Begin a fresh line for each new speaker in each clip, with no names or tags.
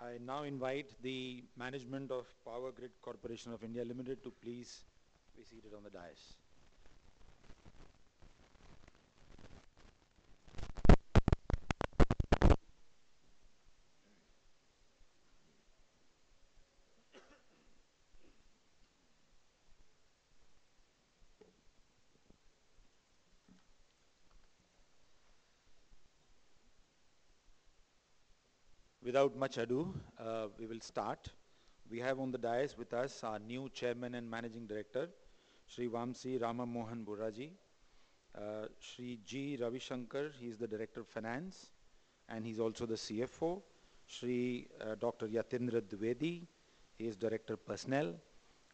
I now invite the management of Power Grid Corporation of India Limited to please be seated on the dais. Without much ado, we will start. We have on the dais with us our new chairman and managing director, Shri Vamsi Rama Mohan Burra Ji. Shri G. Ravisankar, he's the director of finance, and he's also the CFO. Shri Dr. Yatindra Dwivedi, he is director of personnel,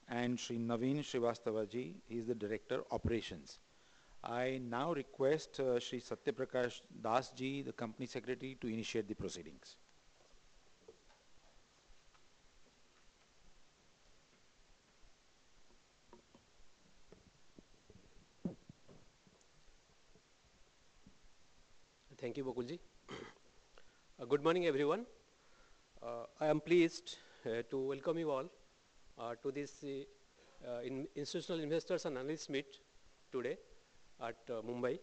and Shri Naveen Srivastava Ji, he's the director of operations. I now request Shri Satyaprakash Dash Ji, the company secretary, to initiate the proceedings.
Thank you, Bakul Ji. Good morning, everyone. I am pleased to welcome you all to this institutional investors and analysts meet today at Mumbai.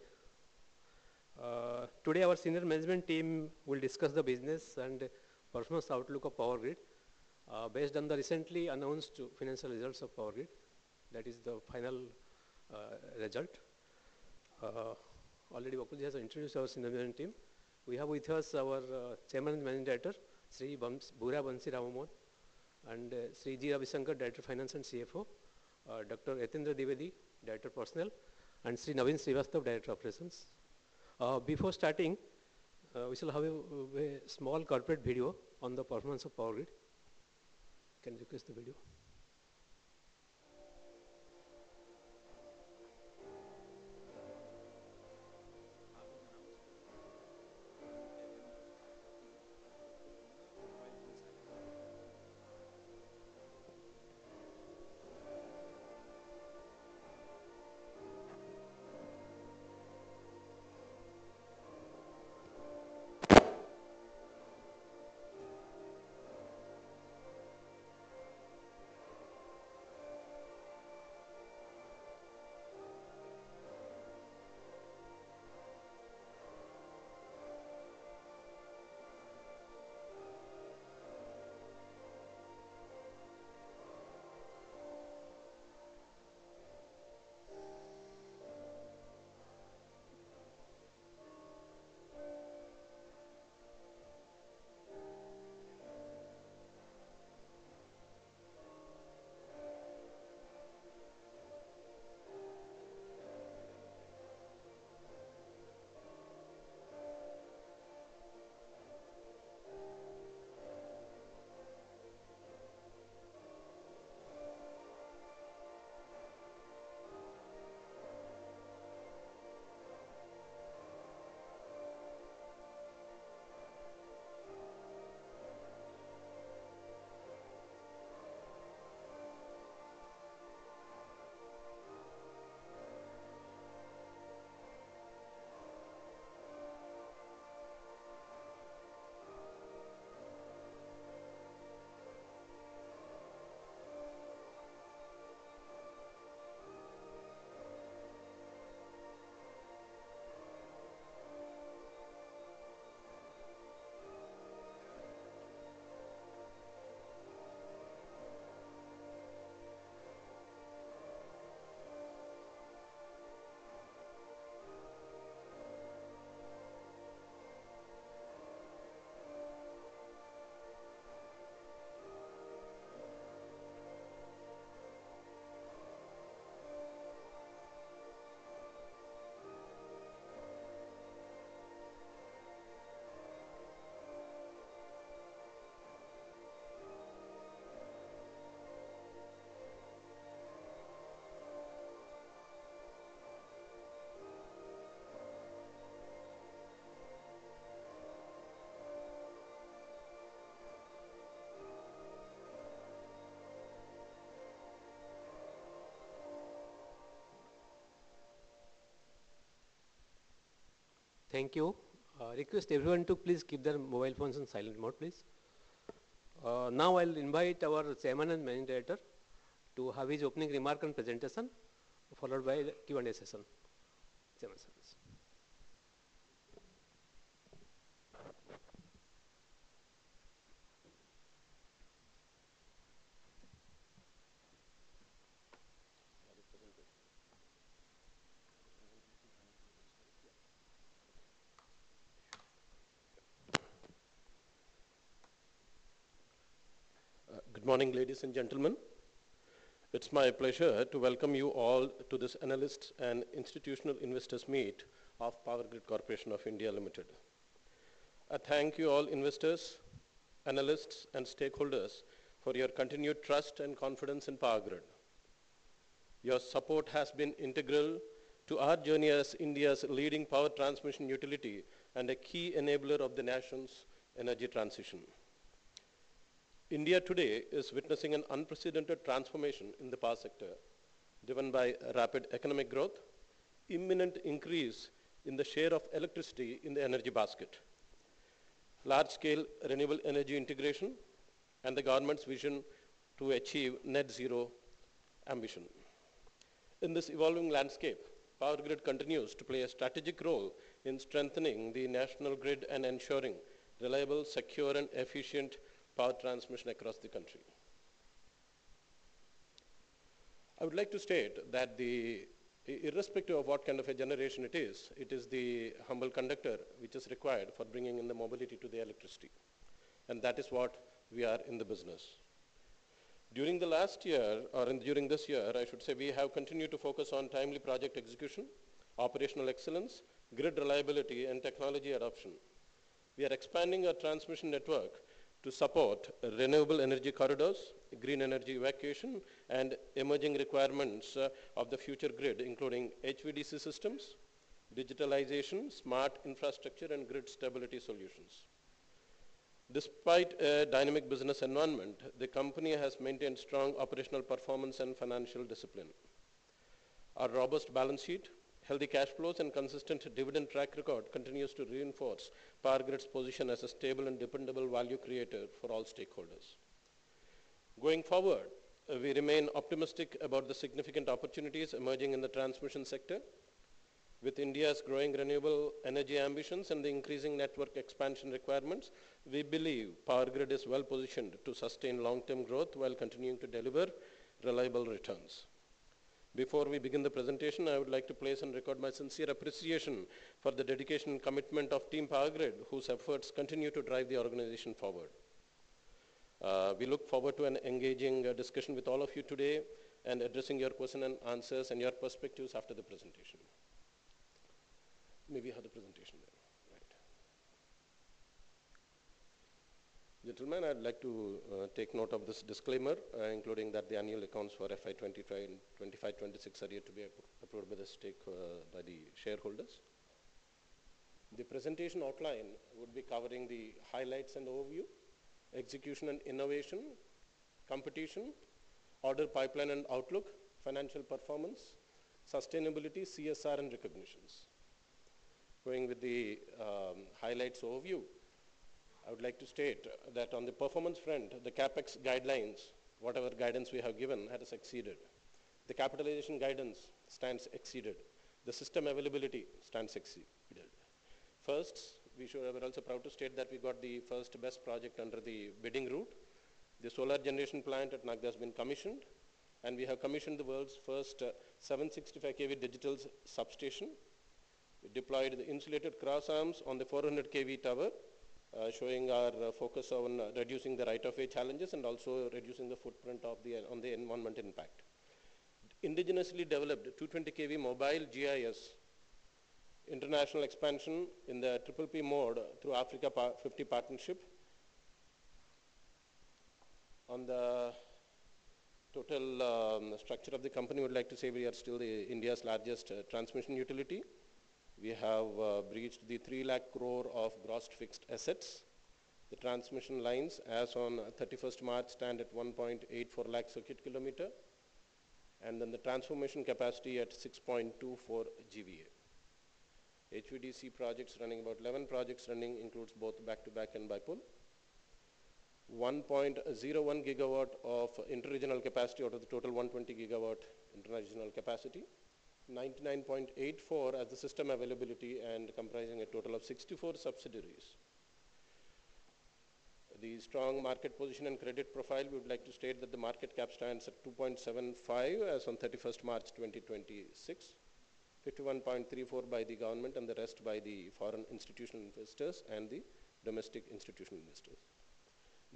Today, our senior management team will discuss the business and performance outlook of Power Grid based on the recently announced financial results of Power Grid, that is the final result. Already Bakul Ji has introduced our senior management team. We have with us our Chairman and Managing Director, Shri Burra Vamsi Rama Mohan, and Shri G. Ravisankar, Director of Finance and CFO, Dr. Yatindra Dwivedi, Director of Personnel, and Shri Naveen Srivastava, Director of Operations. Before starting, we shall have a small corporate video on the performance of Power Grid. Can we request the video? Thank you. Request everyone to please keep their mobile phones on silent mode, please. I'll invite our Chairman and Managing Director to have his opening remark and presentation, followed by the Q&A session. Chairman, sir.
Good morning, ladies and gentlemen. It's my pleasure to welcome you all to this analysts and institutional investors meet of Power Grid Corporation of India Limited. I thank you all investors, analysts, and stakeholders for your continued trust and confidence in Power Grid. Your support has been integral to our journey as India's leading power transmission utility and a key enabler of the nation's energy transition. India today is witnessing an unprecedented transformation in the power sector, driven by rapid economic growth, imminent increase in the share of electricity in the energy basket, large scale renewable energy integration, and the government's vision to achieve net zero ambition. In this evolving landscape, Power Grid continues to play a strategic role in strengthening the national grid and ensuring reliable, secure, and efficient power transmission across the country. I would like to state that irrespective of what kind of a generation it is, it is the humble conductor which is required for bringing in the mobility to the electricity, and that is what we are in the business. During this year, we have continued to focus on timely project execution, operational excellence, grid reliability, and technology adoption. We are expanding our transmission network to support renewable energy corridors, green energy evacuation, and emerging requirements of the future grid, including HVDC systems, digitalization, smart infrastructure, and grid stability solutions. Despite a dynamic business environment, the company has maintained strong operational performance and financial discipline. Our robust balance sheet, healthy cash flows, and consistent dividend track record continues to reinforce Power Grid's position as a stable and dependable value creator for all stakeholders. Going forward, we remain optimistic about the significant opportunities emerging in the transmission sector. With India's growing renewable energy ambitions and the increasing network expansion requirements, we believe Power Grid is well-positioned to sustain long-term growth while continuing to deliver reliable returns. Before we begin the presentation, I would like to place on record my sincere appreciation for the dedication and commitment of Team Power Grid, whose efforts continue to drive the organization forward. We look forward to an engaging discussion with all of you today and addressing your questions-and-answers and your perspectives after the presentation. Maybe I have the presentation now. Right. Gentlemen, I'd like to take note of this disclaimer, including that the annual accounts for FY 2025 and 2025/2026 are yet to be approved by the shareholders. The presentation outline would be covering the highlights and overview, execution and innovation, competition, order pipeline and outlook, financial performance, sustainability, CSR, and recognitions. Going with the highlights overview, I would like to state that on the performance front, the CapEx guidelines, whatever guidance we have given has exceeded. The capitalization guidance stands exceeded. The system availability stands exceeded. First, we should be proud to state that we got the first BESS project under the bidding route. The solar generation plant at Bhadla has been commissioned, and we have commissioned the world's first 765 kV digital substation. We deployed the insulated cross-arms on the 400 kV tower, showing our focus on reducing the right of way challenges and also reducing the footprint on the environment impact. Indigenously developed 220 kV mobile GIS. International expansion in the PPP mode to Africa50 Partnership. On the total structure of the company, I would like to say we are still India's largest transmission utility. We have breached the 3 lakh crore of gross fixed assets. The transmission lines as on 31st March stand at 1.84 lakh circuit kilometer, the transformation capacity at 6.24 GVA. HVDC projects running, about 11 projects running includes both back-to-back and bi-pole. 1.01 GW of inter-regional capacity out of the total 120 GW inter-regional capacity. 99.84 as the system availability and comprising a total of 64 subsidiaries. The strong market position and credit profile, we would like to state that the market cap stands at 2.75 as on 31st March 2026, 51.34% by the government and the rest by the foreign institutional investors and the domestic institutional investors.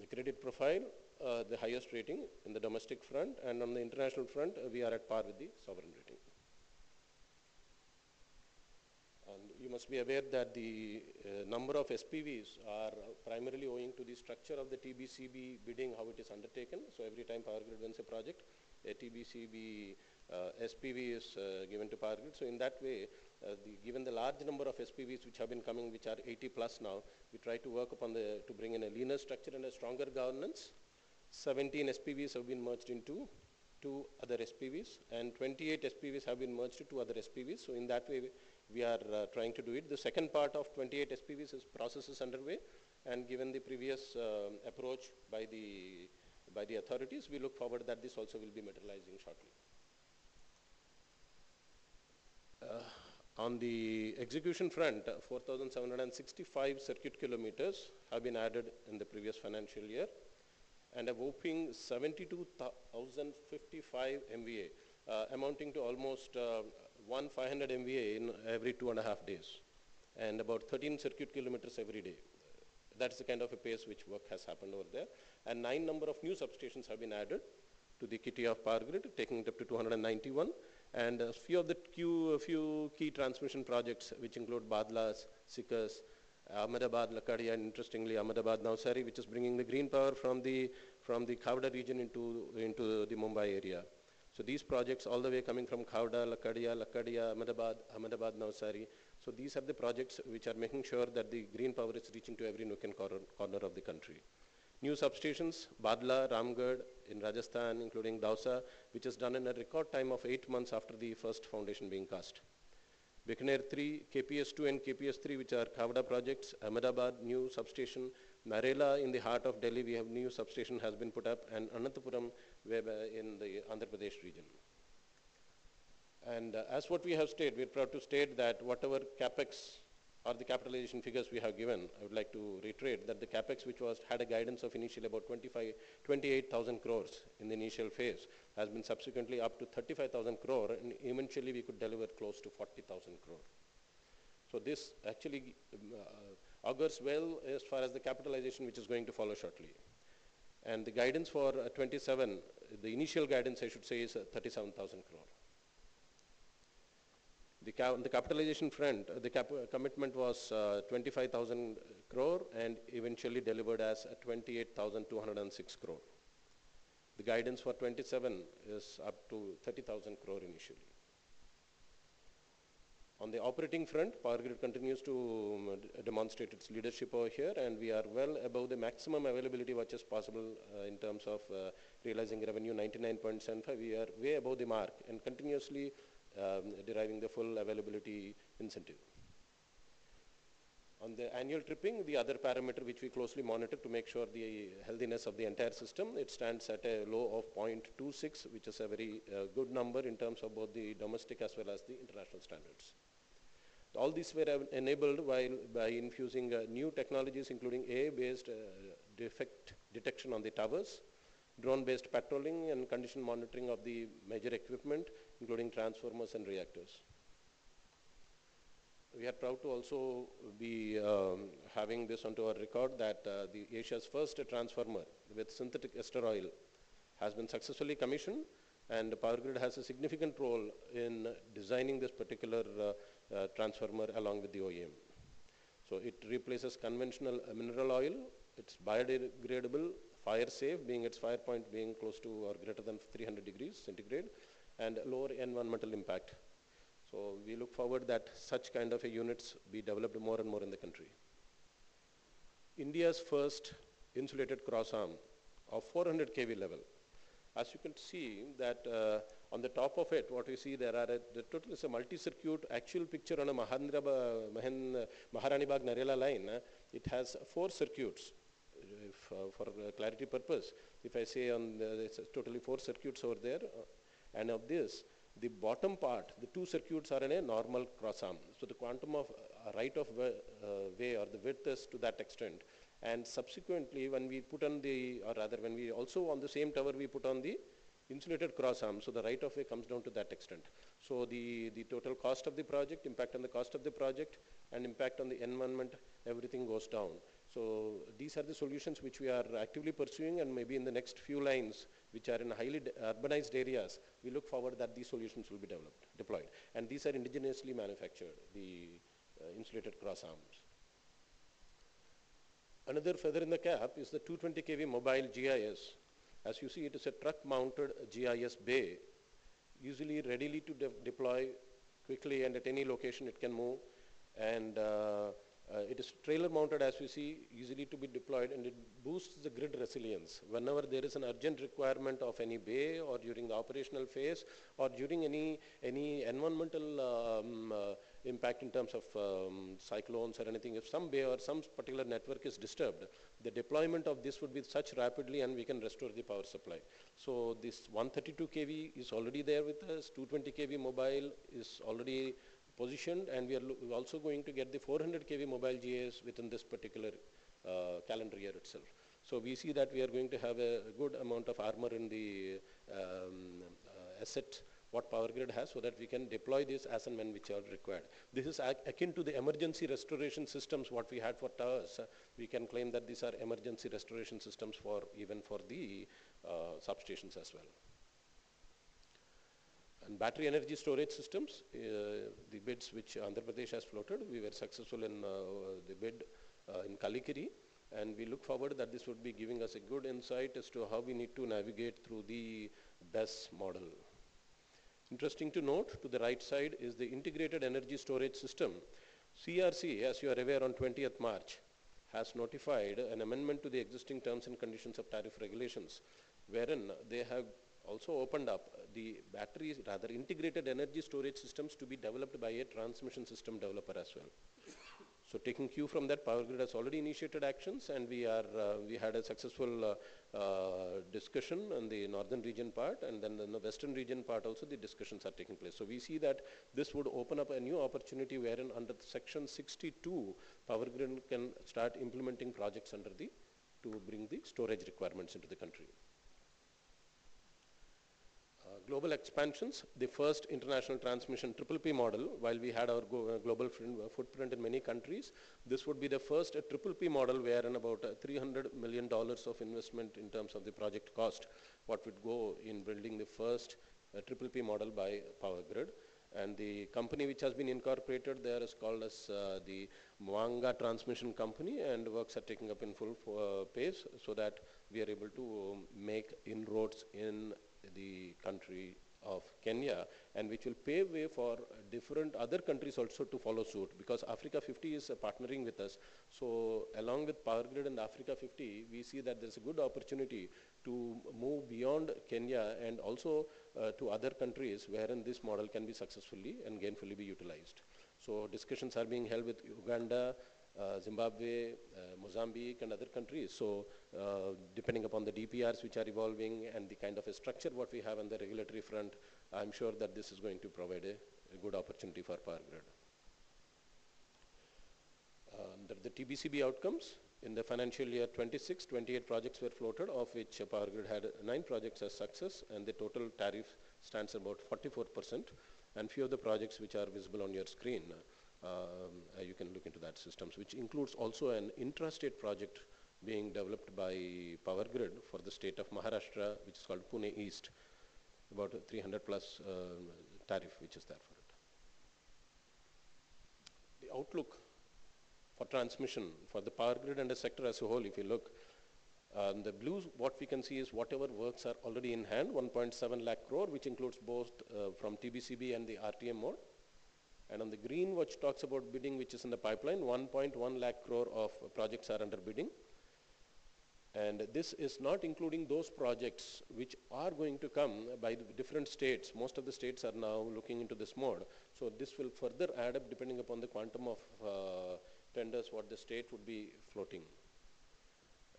The credit profile, the highest rating on the domestic front and on the international front, we are at par with the sovereign rating. You must be aware that the number of SPVs are primarily owing to the structure of the TBCB bidding, how it is undertaken. Every time Power Grid wins a project, a TBCB SPV is given to Power Grid. In that way, given the large number of SPVs which have been coming, which are 80+ now, we try to work upon to bring in a leaner structure and a stronger governance. 17 SPVs have been merged into two other SPVs, and 28 SPVs have been merged into other SPVs. In that way, we are trying to do it. The second part of 28 SPVs processes underway. Given the previous approach by the authorities, we look forward that this also will be materialized shortly. On the execution front, 4,765 ckm have been added in the previous financial year and a whopping 72,055 MVA, amounting to almost 1,500 MVA in every two and a half days and about 13 ckm every day. That's the kind of pace which work has happened over there. Nine number of new substations have been added to the kitty of Power Grid, taking it up to 291. A few key transmission projects which include Bhadla-Sikandra, Ahmedabad-Lakadia, and interestingly Ahmedabad-Navsari, which is bringing the green power from the Khavda region into the Mumbai area. These projects all the way coming from Khavda, Lakadia, Ahmedabad, Navsari. These are the projects which are making sure that the green power is reaching to every nook and corner of the country. New substations, Bhadla, Ramgarh in Rajasthan, including Dausa, which is done in a record time of eight months after the first foundation being cast. Bikaner-3, KPS-2 and KPS-3, which are Khavda projects, Ahmedabad new substation, Narela in the heart of Delhi, we have new substation has been put up, and Anantapur in the Andhra Pradesh region. As what we have stated, we are proud to state that whatever CapEx or the capitalization figures we have given, I would like to reiterate that the CapEx, which had a guidance of initially about 28,000 crore in the initial phase, has been subsequently up to 35,000 crore, and eventually we could deliver close to 40,000 crore. This actually augurs well as far as the capitalization, which is going to follow shortly. The guidance for 2027, the initial guidance, I should say, is 37,000 crore. On the capitalization front, the commitment was 25,000 crore and eventually delivered as 28,206 crore. The guidance for 2027 is up to 30,000 crore initially. On the operating front, Power Grid continues to demonstrate its leadership over here, and we are well above the maximum availability which is possible in terms of realizing revenue, 99.75%. We are way above the mark and continuously deriving the full availability incentive. On the annual tripping, the other parameter which we closely monitor to make sure the healthiness of the entire system, it stands at a low of 0.26, which is a very good number in terms of both the domestic as well as the international standards. All these were enabled by infusing new technologies, including AI-based defect detection on the towers, drone-based patrolling and condition monitoring of the major equipment, including transformers and reactors. We are proud to also be having this onto our record that the Asia's first transformer with synthetic ester oil has been successfully commissioned, and Power Grid has a significant role in designing this particular transformer along with the OEM. It replaces conventional mineral oil. It's biodegradable, fire safe, its fire point being close to or greater than 300 degrees centigrade, and lower environmental impact. We look forward that such kind of units be developed more and more in the country. India's first insulated cross-arm of 400 kV level. As you can see that on the top of it, what you see there, the total is a multi-circuit actual picture on a Maharanibagh Narela line. It has four circuits. For clarity purpose, if I say there's totally four circuits over there, and of this, the bottom part, the two circuits are in a normal cross-arm. The quantum of right of way or the width is to that extent. Subsequently, when we put on the, or rather, when we also on the same tower, we put on the insulated cross-arms, so the right of way comes down to that extent. The total cost of the project, impact on the cost of the project, and impact on the environment, everything goes down. These are the solutions which we are actively pursuing, and maybe in the next few lines, which are in highly urbanized areas, we look forward that these solutions will be deployed. These are indigenously manufactured, the insulated cross-arms. Another feather in the cap is the 220 kV mobile GIS. As you see, it is a truck-mounted GIS bay, usually readily to deploy quickly and at any location it can move. It is trailer-mounted, as you see, easily to be deployed, and it boosts the grid resilience. Whenever there is an urgent requirement of any bay or during the operational phase or during any environmental impact in terms of cyclones or anything, if some bay or some particular network is disturbed, the deployment of this would be such rapidly, and we can restore the power supply. This 132 kV is already there with us. 220 kV mobile is already positioned, and we're also going to get the 400 kV mobile GIS within this particular calendar year itself. We see that we are going to have a good amount of armor in the asset, what Power Grid has, so that we can deploy this as and when which are required. This is akin to the emergency restoration systems, what we had for towers. We can claim that these are emergency restoration systems even for the substations as well. Battery energy storage systems, the bids which Andhra Pradesh has floated, we were successful in the bid in Kalikiri, and we look forward that this would be giving us a good insight as to how we need to navigate through the BESS model. Interesting to note, to the right side is the integrated energy storage system. CERC, as you are aware, on 20th March, has notified an amendment to the existing Terms and Conditions of Tariff Regulations, wherein they have also opened up the batteries, rather integrated energy storage systems, to be developed by a transmission system developer as well. Taking cue from that, Power Grid has already initiated actions, and we had a successful discussion on the northern region part, and in the western region part also, the discussions are taking place. We see that this would open up a new opportunity wherein under Section 62, Power Grid can start implementing projects to bring the storage requirements into the country. Global expansions, the first international transmission PPP model while we had our global footprint in many countries. This would be the first PPP model wherein about $300 million of investment in terms of the project cost, what would go in building the first PPP model by Power Grid. The company which has been incorporated there is called as the Mwanga Transmission Company and works are taking up in full pace so that we are able to make inroads in the country of Kenya and which will pave way for different other countries also to follow suit because Africa50 is partnering with us. Along with Power Grid and Africa50, we see that there's a good opportunity to move beyond Kenya and also to other countries wherein this model can be successfully and gainfully utilized. Discussions are being held with Uganda, Zimbabwe, Mozambique, and other countries. Depending upon the DPRs which are evolving and the kind of structure what we have on the regulatory front, I'm sure that this is going to provide a good opportunity for Power Grid. The TBCB outcomes in the financial year 2026, 28 projects were floated, of which Power Grid had nine projects as success. The total tariff stands about 44%. Few of the projects which are visible on your screen, you can look into that systems which includes also an intrastate project being developed by Power Grid for the state of Maharashtra, which is called Pune East, about 300+ tariff which is there for it. The outlook for transmission for Power Grid and sector as a whole if you look, the blues what we can see is whatever works are already in hand, 1.7 lakh crore which includes both from TBCB and the RTM mode. On the green which talks about bidding which is in the pipeline, 1.1 lakh crore of projects are under bidding. This is not including those projects which are going to come by the different states. Most of the states are now looking into this mode. This will further add up depending upon the quantum of tenders what the state would be floating.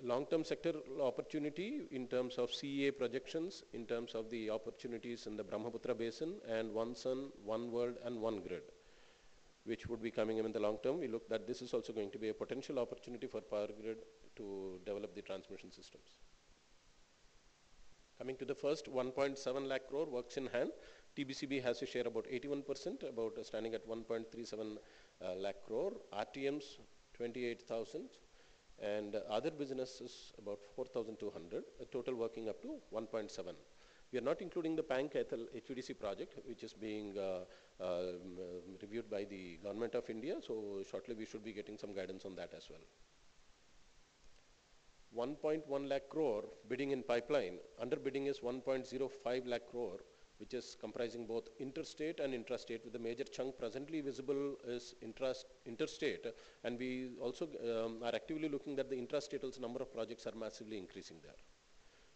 Long-term sector opportunity in terms of CEA projections, in terms of the opportunities in the Brahmaputra basin, and One Sun One World One Grid, which would be coming in the long term. We look that this is also going to be a potential opportunity for Power Grid to develop the transmission systems. Coming to the first 1.7 lakh crore works in hand, TBCB has a share about 81%, about standing at 1.37 lakh crore, RTMs 28,000 crore, and other businesses about 4,200 crore, a total working up to 1.7 lakh crore. We are not including the Pancheshwar HVDC project which is being reviewed by the Government of India. Shortly we should be getting some guidance on that as well. 1.1 lakh crore bidding in pipeline. Under bidding is 1.05 lakh crore, which is comprising both interstate and intrastate with a major chunk presently visible is interstate. We also are actively looking at the intrastate as number of projects are massively increasing there.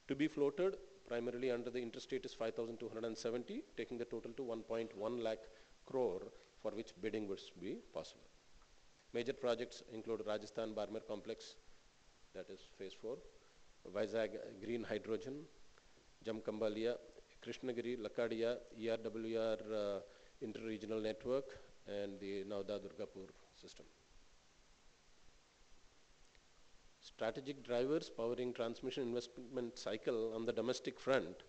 To be floated primarily under the interstate is 5,270, taking the total to 1.1 lakh crore for which bidding would be possible. Major projects include Rajasthan Barmer Complex, that is phase 4, Vizag Green Hydrogen, Jam Khambaliya, Krishnagiri, Lakadia, ER-WR Inter-Regional Network, and the Naugaon-Durgapur system. Strategic drivers powering transmission investment cycle on the domestic front.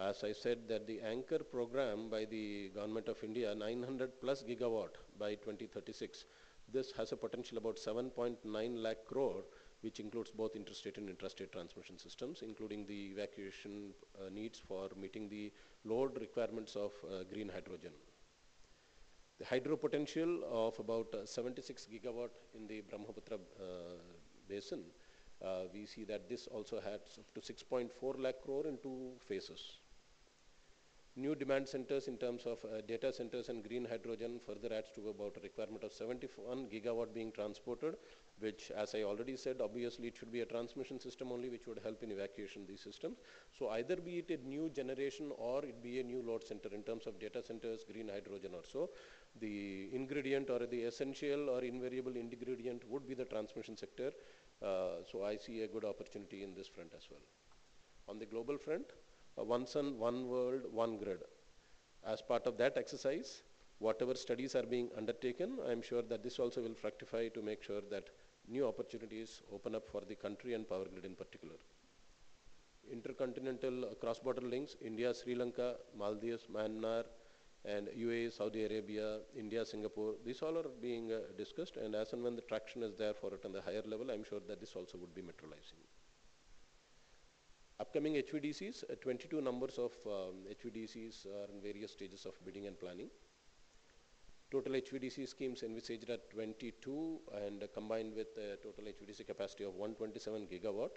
As I said that the anchor program by the Government of India 900+ GW by 2036. This has a potential about 7.9 lakh crore, which includes both interstate and intrastate transmission systems, including the evacuation needs for meeting the load requirements of green hydrogen. The hydro potential of about 76 gigawatt in the Brahmaputra basin. We see that this also adds up to 6.4 lakh crore in 2 phases. New demand centers in terms of data centers and green hydrogen further adds to about a requirement of 71 GW being transported, which as I already said, obviously it should be a transmission system only which would help in evacuation of the system. Either be it a new generation or be a new load center in terms of data centers, green hydrogen or so, the ingredient or the essential or invariable ingredient would be the transmission sector, so I see a good opportunity in this front as well. On the global front, One Sun One World One Grid. As part of that exercise, whatever studies are being undertaken, I'm sure that this also will fructify to make sure that new opportunities open up for the country and Power Grid in particular. Intercontinental cross-border links India, Sri Lanka, Maldives, Myanmar and UAE, Saudi Arabia, India, Singapore, these all are being discussed and as and when the traction is there for it on the higher level, I'm sure that this also would be materializing. Upcoming HVDCs, 22 numbers of HVDCs are in various stages of bidding and planning. Total HVDC schemes envisaged at 22 and combined with a total HVDC capacity of 127 GW.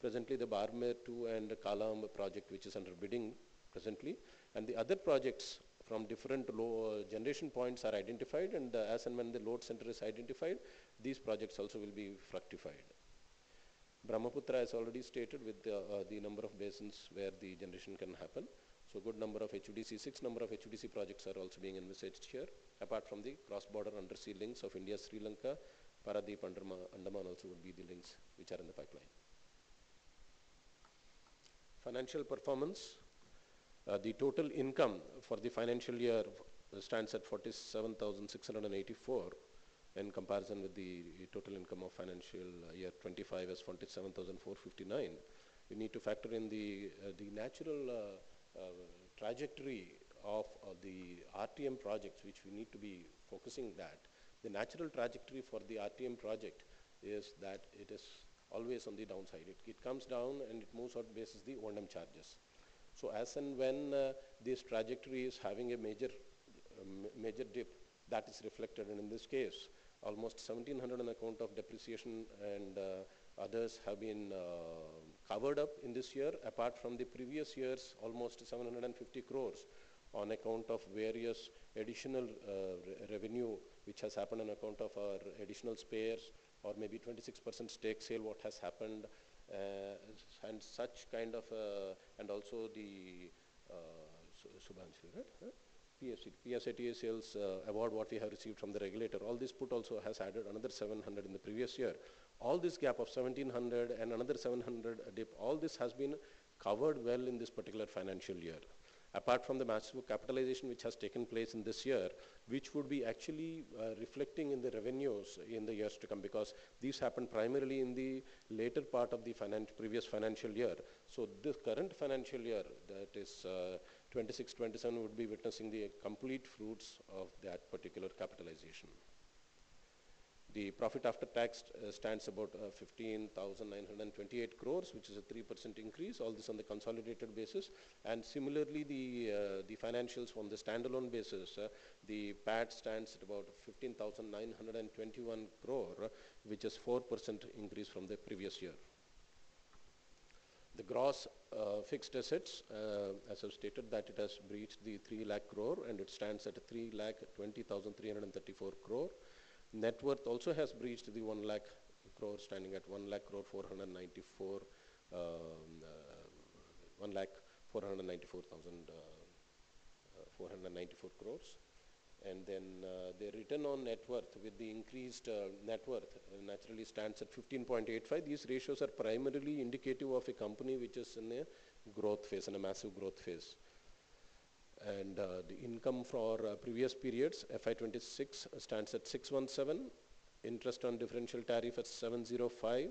Presently, the Barmer 2 and Kalamb project which is under bidding presently, and the other projects from different load generation points are identified and as and when the load center is identified, these projects also will be fructified. Brahmaputra has already stated with the number of basins where the generation can happen, so good number of HVDC, six number of HVDC projects are also being envisaged here. Apart from the cross-border undersea links of India, Sri Lanka, Paradip, Andaman also would be the links which are in the pipeline. Financial performance. The total income for the financial year stands at 47,684. In comparison with the total income of FY 2025 as 27,459. We need to factor in the natural trajectory of the RTM projects, which we need to be focusing that. The natural trajectory for the RTM project is that it is always on the downside. It comes down and most of this is the O&M charges. As and when this trajectory is having a major dip, that is reflected. In this case, almost 1,700 on account of depreciation and others have been covered up in this year, apart from the previous years, almost 750 crores on account of various additional revenue, which has happened on account of our additional spares or maybe 26% stake sale, what has happened, and also the Subansiri PSAT sales award what we have received from the regulator. All this put also has added another 700 in the previous year. All this gap of 1,700 and another 700 dip, all this has been covered well in this particular financial year. Apart from the massive capitalization, which has taken place in this year, which would be actually reflecting in the revenues in the years to come, because this happened primarily in the later part of the previous financial year. This current financial year, that is 2026/2027, would be witnessing the complete fruits of that particular capitalization. The profit after tax stands about 15,928 crores, which is a 3% increase, all this on the consolidated basis. Similarly, the financials from the standalone basis, the PAT stands at about 15,921 crore, which is 4% increase from the previous year. The gross fixed assets, as I stated that it has breached the 3 lakh crore and it stands at 3,20,334 crore. Net worth also has breached the 1 lakh crore, standing at 1,494,000 crores. The return on net worth with the increased net worth naturally stands at 15.85%. These ratios are primarily indicative of a company which is in a massive growth phase. The income for previous periods, FY 2026 stands at 617. Interest on differential tariff is 705.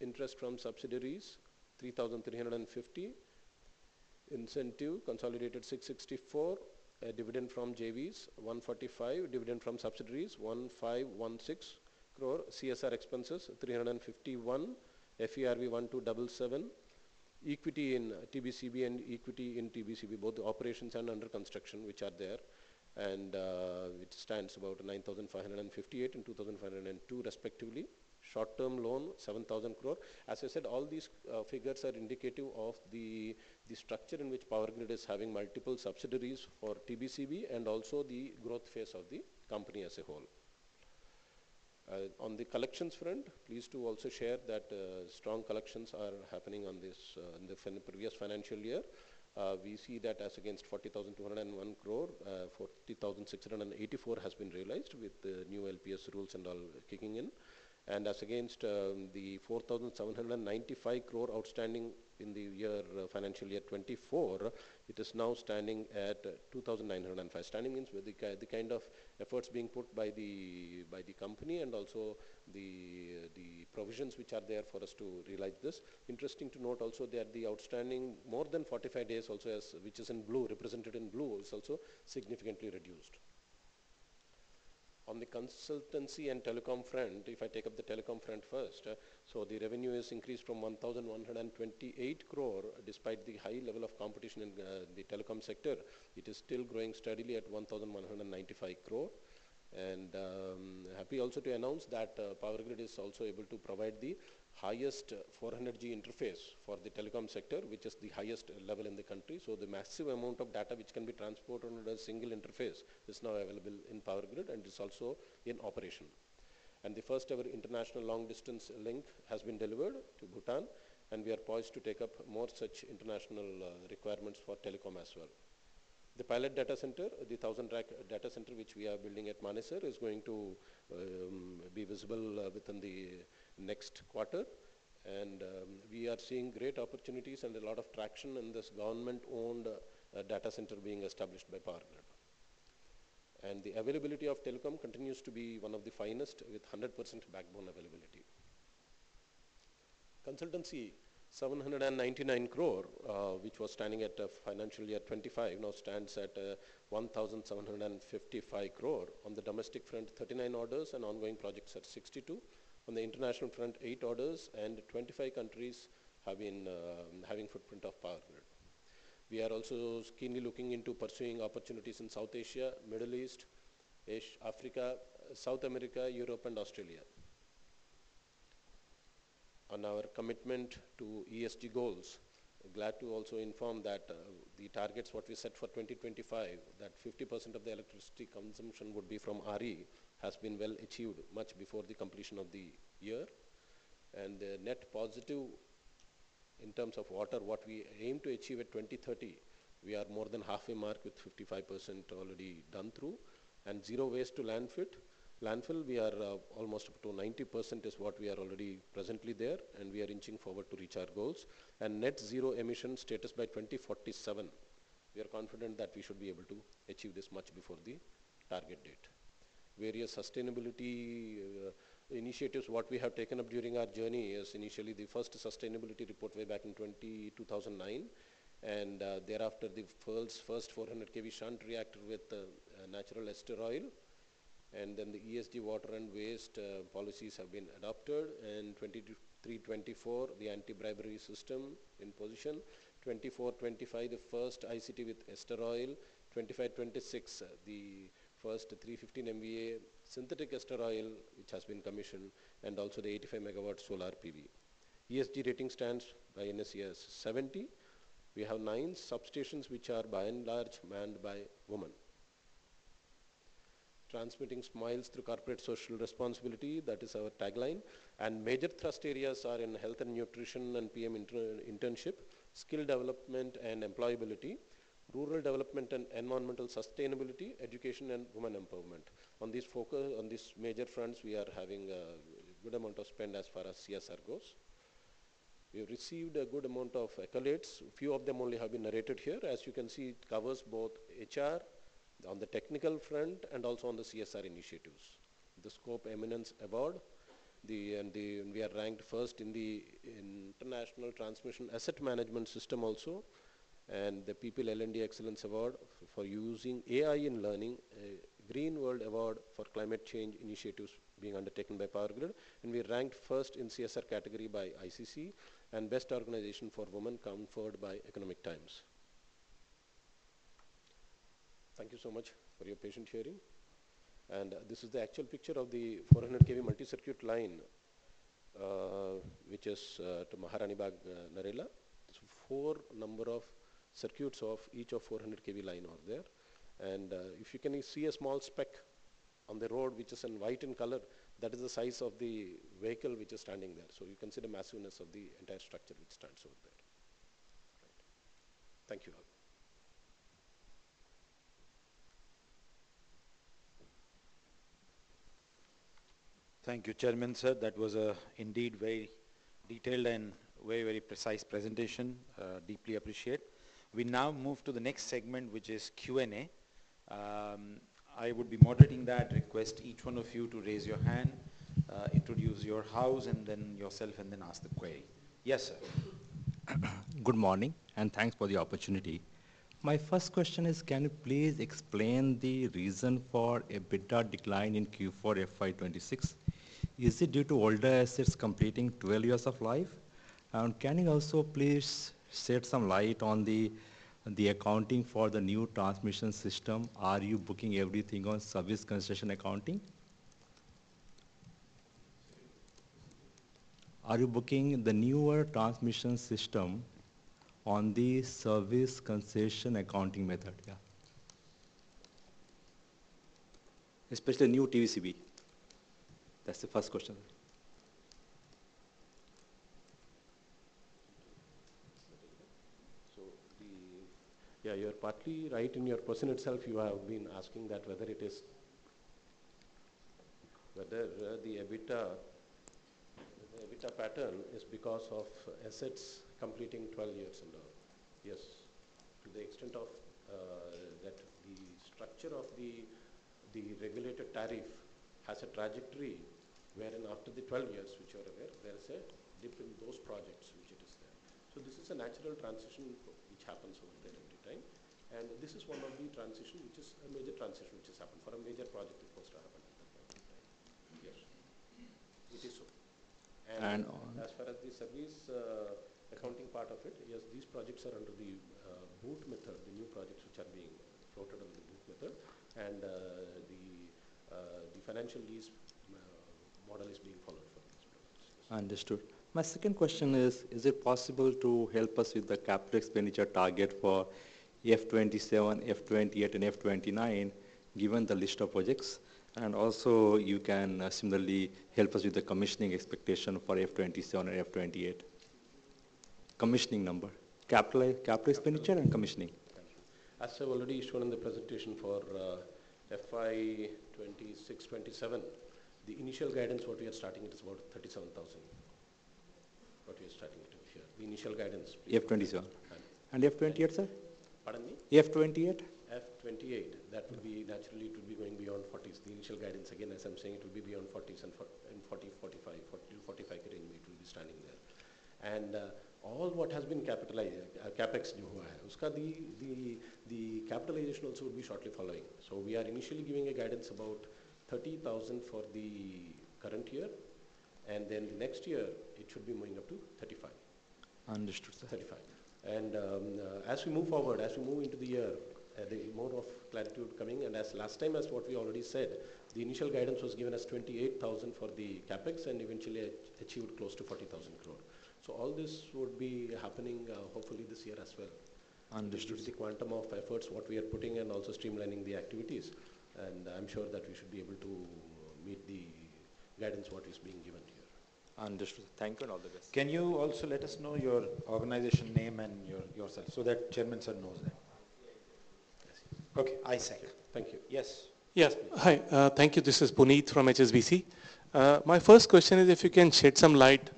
Interest from subsidiaries 3,350. Incentive consolidated 664. Dividend from JVs 145. Dividend from subsidiaries 1,516 crore. CSR expenses 351. FERV 1,277. Equity in TBCB and equity in TBCB, both the operations and under construction, which are there, and which stands about 9,558 and 2,502 respectively. Short-term loan 7,000 crore. As I said, all these figures are indicative of the structure in which Power Grid is having multiple subsidiaries for TBCB and also the growth phase of the company as a whole. On the collections front, pleased to also share that strong collections are happening on this in the previous financial year. We see that as against 40,201 crore, 40,684 has been realized with the new LPS rules and all kicking in. As against the 4,795 crore outstanding in the financial year 2024, it is now standing at 2,905. Standing means with the kind of efforts being put by the company and also the provisions which are there for us to realize this. Interesting to note also that the outstanding more than 45 days also, which is represented in blue, is also significantly reduced. On the consultancy and telecom front, if I take up the telecom front first, the revenue has increased from 1,128 crore despite the high level of competition in the telecom sector. It is still growing steadily at 1,195 crore. Happy also to announce that Power Grid is also able to provide the highest 400G interface for the telecom sector, which is the highest level in the country. The massive amount of data which can be transported under a single interface is now available in Power Grid and is also in operation. The first-ever international long-distance link has been delivered to Bhutan, and we are poised to take up more such international requirements for telecom as well. The pilot data center, the 1,000 rack data center, which we are building at Manesar, is going to be visible within the next quarter, and we are seeing great opportunities and a lot of traction in this government-owned data center being established by Power Grid. The availability of telecom continues to be one of the finest with 100% backbone availability. Consultancy, 799 crore, which was standing at FY 2025, now stands at 1,755 crore. On the domestic front, 39 orders and ongoing projects at 62. On the international front, eight orders and 25 countries having footprint of Power Grid. We are also keenly looking into pursuing opportunities in South Asia, Middle East, South America, Europe, and Australia. On our commitment to ESG goals, glad to also inform that the targets what we set for 2025, that 50% of the electricity consumption would be from RE, has been well achieved much before the completion of the year. The net positive in terms of water, what we aim to achieve at 2030, we are more than halfway mark with 55% already done through. Zero waste to landfill, we are almost up to 90% is what we are already presently there, and we are inching forward to reach our goals. Net zero emission status by 2047. We are confident that we should be able to achieve this much before the target date. Various sustainability initiatives, what we have taken up during our journey is initially the first sustainability report way back in 2009, and thereafter the first 400 kV shunt reactor with the natural ester oil. The ESG water and waste policies have been adopted. In 2023, 2024, the anti-bribery system in position. 2024, 2025, the first ICT with ester oil. 2025, 2026, the first 315 MVA synthetic ester oil, which has been commissioned, and also the 85 MW solar PV. ESG rating stands by NSE Sustainability 70. We have nine substations, which are by and large manned by women. Transmitting smiles through corporate social responsibility, that is our tagline. Major thrust areas are in health and nutrition and PM internship, skill development and employability, rural development and environmental sustainability, education and women empowerment. On these major fronts, we are having a good amount of spend as far as CSR goes. We have received a good amount of accolades. A few of them only have been narrated here. As you can see, it covers both HR on the technical front and also on the CSR initiatives. The SCOPE Eminence Award. We are ranked first in international transmission asset management system also. The People L&D Excellence Award for using AI in learning, Green World Award for climate change initiatives being undertaken by Power Grid. We ranked first in CSR category by ICC. Best Organization for Women conferred by The Economic Times. Thank you so much for your patient hearing. This is the actual picture of the 400 kV multi-circuit line, which is to Maharanibagh, Narela. Four number of circuits of each of 400 kV line are there. If you can see a small speck on the road, which is in white in color, that is the size of the vehicle which is standing there. You consider massiveness of the entire structure, which stands over there. Thank you all.
Thank you, Chairman sir. That was indeed very detailed and very precise presentation. Deeply appreciate. We now move to the next segment, which is Q&A. I would be moderating that. Request each one of you to raise your hand, introduce your house and then yourself, and then ask the query. Yes, sir.
Good morning, and thanks for the opportunity. My first question is, can you please explain the reason for EBITDA decline in Q4 FY 2026? Is it due to older assets completing 12 years of life? Can you also please shed some light on the accounting for the new transmission system? Are you booking everything on service concession accounting? Are you booking the newer transmission system on the service concession accounting method, especially new TBCB? Yeah. That's the first question.
You are partly right in your question itself. You have been asking that whether the EBITDA pattern is because of assets completing 12 years and above. Yes. To the extent of that the structure of the regulated tariff has a trajectory wherein after the 12 years, which you are aware, there is a dip in those projects which it is there. This is a natural transition which happens over there every time. This is one of the transition, which is a major transition, which has happened for a major project supposed to happen at that point in time. Yes. It is so.
And-
As far as the service accounting part of it, yes, these projects are under the BOOT method, the new projects which are being floated under the BOOT method, and the financial lease model is being followed for these projects.
Understood. My second question is it possible to help us with the CapEx expenditure target for FY 2027, FY 2028, and FY 2029, given the list of projects? Also, you can similarly help us with the commissioning expectation for FY 2027 and FY 2028. Commissioning number. CapEx expenditure and commissioning.
Thank you. As I've already shown in the presentation for FY 2026, FY 2027, the initial guidance, what we are starting at is about 37,000.
F 2027. F 2028, sir?
Pardon me?
F 2028.
F 2028. That would be naturally it would be going beyond 40s. The initial guidance, again, as I'm saying, it will be beyond 40 and 45. 40-45 it will be standing there. All what has been capitalized, the capitalization also will be shortly following. We are initially giving a guidance about 30,000 for the current year, and then next year, it should be moving up to 35.
Understood, sir.
35. As we move forward, as we move into the year, the more of clarity would coming, and as last time, as what we already said, the initial guidance was given as 28,000 for the CapEx and eventually achieved close to 40,000 crore. All this would be happening hopefully this year as well.
Understood.
With the quantum of efforts, what we are putting and also streamlining the activities. I'm sure that we should be able to meet the guidance what is being given here.
Understood. Thank you, and all the best.
Can you also let us know your organization name and yourself so that Chairman sir knows that?
Okay, I see. Thank you. Yes.
Yes. Hi. Thank you. This is Puneet from HSBC. My first question is if you can shed some light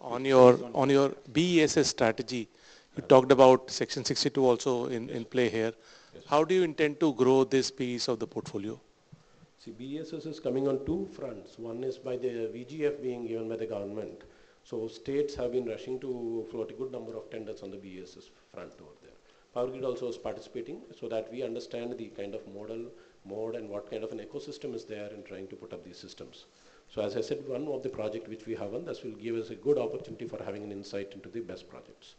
on your BESS strategy. You talked about Section 62 also in play here.
Yes.
How do you intend to grow this piece of the portfolio?
BESS is coming on two fronts. One is by the VGF being given by the government. States have been rushing to float a good number of tenders on the BESS front over there. Power Grid also is participating so that we understand the kind of model mode and what kind of an ecosystem is there in trying to put up these systems. As I said, one of the project which we have won, that will give us a good opportunity for having an insight into the BESS projects.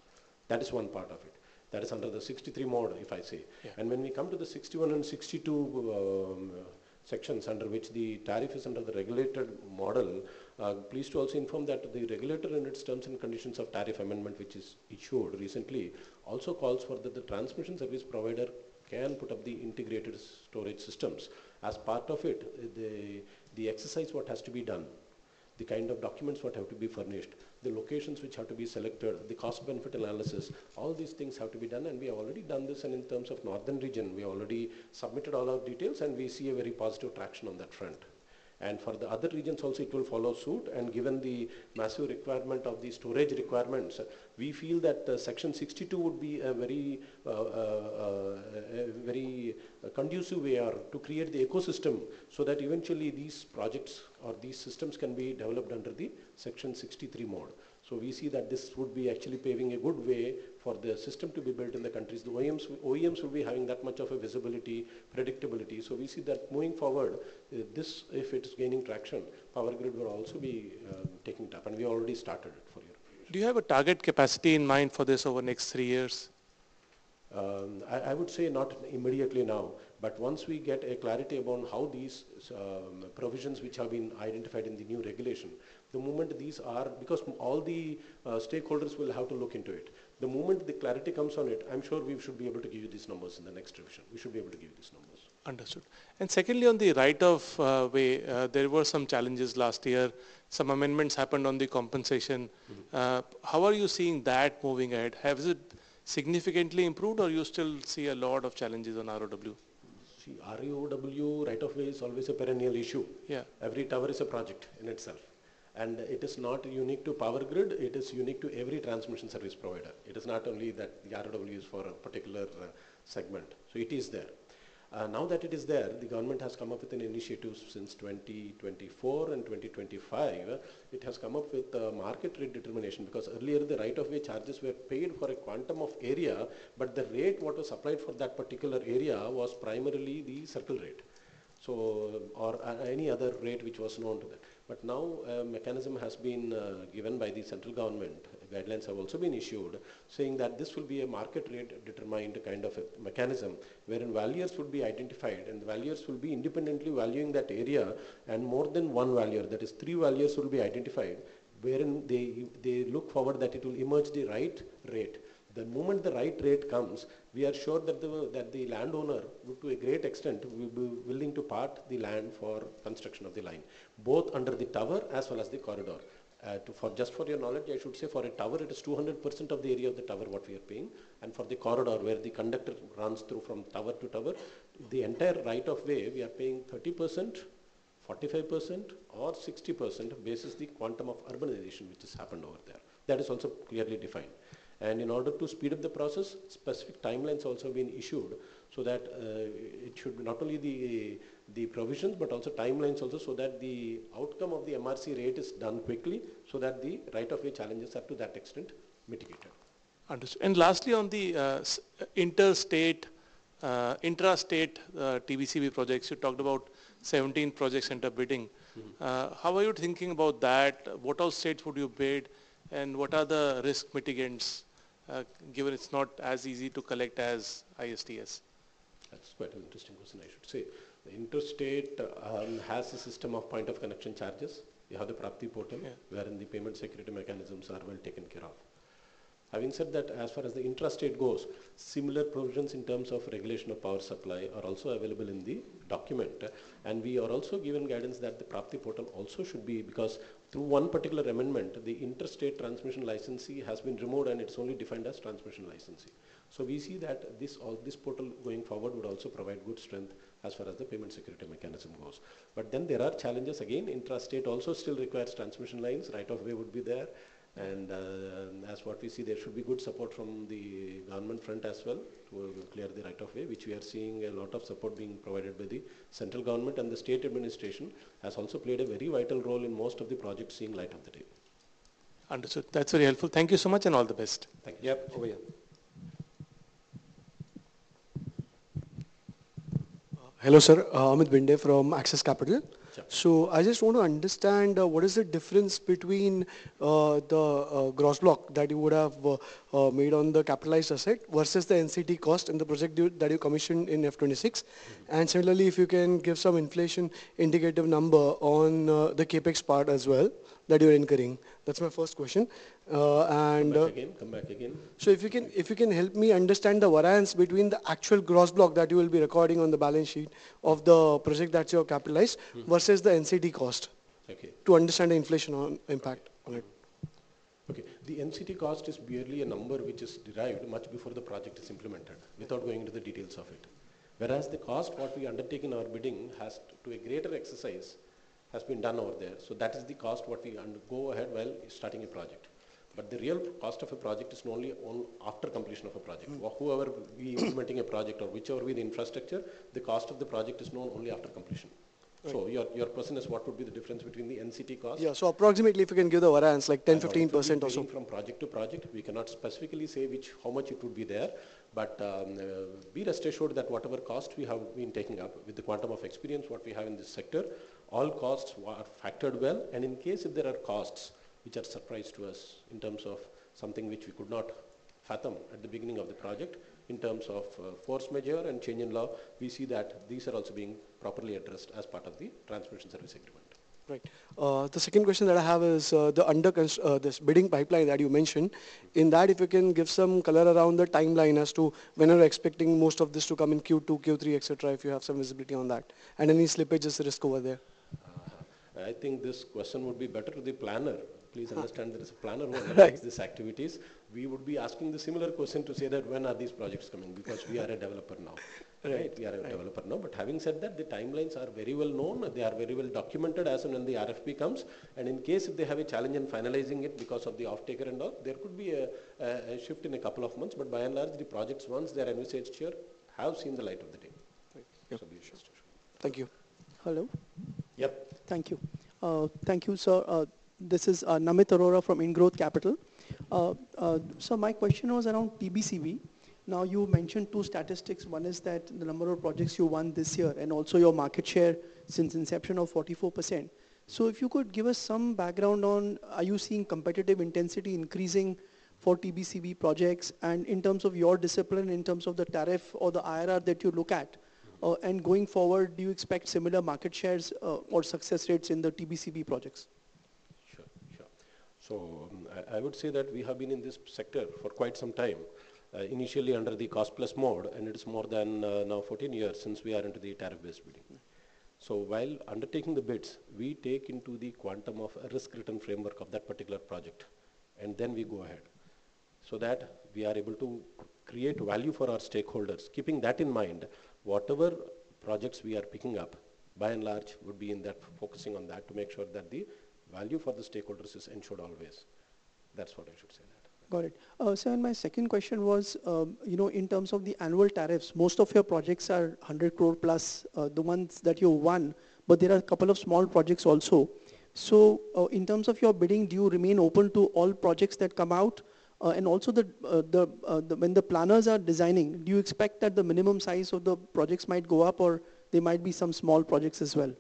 That is one part of it. That is under the Section 63 model, if I say.
Yeah.
When we come to the 61 and 62 sections under which the tariff is under the regulated model, pleased to also inform that the regulator in its Terms and Conditions of Tariff amendment, which is issued recently, also calls for the transmission service provider can put up the integrated storage systems. As part of it, the exercise what has to be done, the kind of documents what have to be furnished, the locations which have to be selected, the cost benefit analysis, all these things have to be done, and we have already done this. In terms of northern region, we already submitted all our details, and we see a very positive traction on that front. For the other regions also, it will follow suit. Given the massive requirement of the storage requirements, we feel that the Section 62 would be a very conducive way to create the ecosystem so that eventually these projects or these systems can be developed under the Section 63 model. We see that this would be actually paving a good way for the system to be built in the countries. The OEMs will be having that much of a visibility, predictability. We see that going forward, if it's gaining traction, Power Grid will also be taking it up, and we already started it for you.
Do you have a target capacity in mind for this over the next three years?
I would say not immediately now, but once we get a clarity about how these provisions which have been identified in the new regulation, because all the stakeholders will have to look into it. The moment the clarity comes on it, I'm sure we should be able to give you these numbers in the next revision. We should be able to give you these numbers.
Understood. Secondly, on the right of way, there were some challenges last year. Some amendments happened on the compensation. How are you seeing that moving ahead? Has it significantly improved or you still see a lot of challenges on ROW?
See, ROW, right of way, is always a perennial issue.
Yeah.
Every tower is a project in itself. It is not unique to Power Grid. It is unique to every transmission service provider. It is not only that the ROW is for a particular segment. It is there. Now that it is there, the government has come up with an initiative since 2024 and 2025. It has come up with a market rate determination, because earlier the right of way charges were paid for a quantum of area, but the rate what was applied for that particular area was primarily the circle rate, or any other rate which was known to them. Now, a mechanism has been given by the central government. Guidelines have also been issued saying that this will be a market rate determined kind of a mechanism wherein valuers will be identified, and valuers will be independently valuing that area. More than one valuer, that is three valuers will be identified, wherein they look forward that it will emerge the right rate. The moment the right rate comes, we are sure that the landowner, to a great extent, will be willing to part the land for construction of the line, both under the tower as well as the corridor. For your knowledge, I should say for a tower, it is 200% of the area of the tower what we are paying, and for the corridor where the conductor runs through from tower to tower, the entire right of way, we are paying 30%, 45% or 60% basis the quantum of urbanization which has happened over there. That is also clearly defined. In order to speed up the process, specific timelines also have been issued so that it should not only the provisions, but also timelines also, so that the outcome of the MRC rate is done quickly, so that the right of way challenges are to that extent mitigated.
Understood. Lastly, on the intrastate, TBCB projects, you talked about 17 projects under bidding. How are you thinking about that? What all states would you bid? What are the risk mitigants, given it's not as easy to collect as ISTS?
That's quite an interesting question, I should say. The interstate has a system of point of connection charges. You have the PRAAPTI portal.
Yeah
wherein the payment security mechanisms are well taken care of. Having said that, as far as the intrastate goes, similar provisions in terms of regulation of power supply are also available in the document. We are also given guidance that the PRAAPTI portal also should be, because through one particular amendment, the interstate transmission licensee has been removed, and it's only defined as transmission licensee. We see that this portal going forward would also provide good strength as far as the payment security mechanism goes. There are challenges. Again, intrastate also still requires transmission lines, right of way would be there. As what we see, there should be good support from the government front as well to clear the right of way, which we are seeing a lot of support being provided by the Central Government, and the state administration has also played a very vital role in most of the projects seeing light of the day.
Understood. That's very helpful. Thank you so much, and all the best.
Thank you.
Yep. Over here.
Hello, sir. Amit Bhinde from Axis Capital.
Yeah.
I just want to understand what is the difference between the gross block that you would have made on the capitalized asset versus the NCT cost and the project that you commissioned in FY 2026. Similarly, if you can give some inflation indicative number on the CapEx part as well that you're incurring. That's my first question.
Come back again.
If you can help me understand the variance between the actual gross block that you will be recording on the balance sheet of the project that you have capitalized versus the NCT cost.
Okay
to understand the inflation impact on it.
Okay. The NCT cost is barely a number which is derived much before the project is implemented, without going into the details of it. Whereas the cost, what we undertake in our bidding has to a greater exercise, has been done over there. That is the cost what we go ahead while starting a project. The real cost of a project is only on after completion of a project. Whoever be implementing a project or whichever be the infrastructure, the cost of the project is known only after completion.
Right.
Your question is what would be the difference between the NCT cost?
Yeah. Approximately if you can give the variance, like 10%, 15% or so?
It will vary from project to project. We cannot specifically say how much it would be there, but be rest assured that whatever cost we have been taking up with the quantum of experience, what we have in this sector, all costs are factored well, and in case if there are costs which are surprise to us in terms of something which we could not fathom at the beginning of the project, in terms of force majeure and change in law, we see that these are also being properly addressed as part of the Transmission Service Agreement.
Right. The second question that I have is this bidding pipeline that you mentioned. In that, if you can give some color around the timeline as to when are you expecting most of this to come in Q2, Q3, et cetera, if you have some visibility on that, and any slippages risk over there?
I think this question would be better to the planner. Please understand there is a planner.
Right
manages these activities. We would be asking the similar question to say that when are these projects coming because we are a developer now.
Right.
We are a developer now. Having said that, the timelines are very well known. They are very well documented as and when the RFP comes. In case if they have a challenge in finalizing it because of the offtaker and all, there could be a shift in a couple of months, but by and large, the projects once they are envisaged here, have seen the light of the day.
Right.
Be rest assured.
Thank you.
Hello.
Yep.
Thank you. Thank you, sir. This is Namit Arora from Indgrowth Capital. Sir, my question was around TBCB. You mentioned two statistics. One is that the number of projects you won this year, and also your market share since inception of 44%. If you could give us some background on, are you seeing competitive intensity increasing for TBCB projects, and in terms of your discipline, in terms of the tariff or the IRR that you look at. Going forward, do you expect similar market shares or success rates in the TBCB projects?
I would say that we have been in this sector for quite some time, initially under the cost-plus model, and it is more than now 14 years since we are into the tariff-based bidding. While undertaking the bids, we take into the quantum of risk return framework of that particular project, and then we go ahead, so that we are able to create value for our stakeholders. Keeping that in mind, whatever projects we are picking up, by and large, would be in that focusing on that to make sure that the value for the stakeholders is ensured always. That's what I should say that.
Got it. Sir, my second question was, in terms of the annual tariffs, most of your projects are 100 crore+, the ones that you won, but there are a couple of small projects also. In terms of your bidding, do you remain open to all projects that come out? Also when the planners are designing, do you expect that the minimum size of the projects might go up or there might be some small projects as well?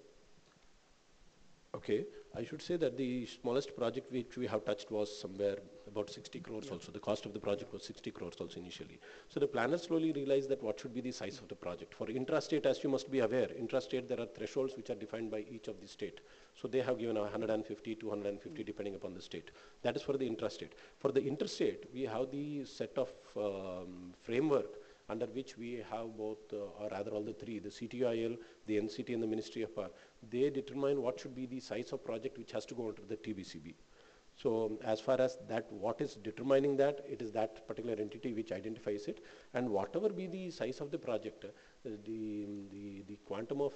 Okay. I should say that the smallest project which we have touched was somewhere about 60 crores also. The cost of the project was 60 crores also initially. The planners slowly realized that what should be the size of the project. For intra-state, as you must be aware, intra-state, there are thresholds which are defined by each of the state. They have given 150, 250, depending upon the state. That is for the intra-state. For the interstate, we have the set of framework under which we have both or rather all the three, the CTUIL, the NCT, and the Ministry of Power. They determine what should be the size of project which has to go under the TBCB. As far as that, what is determining that, it is that particular entity which identifies it. Whatever be the size of the project, the quantum of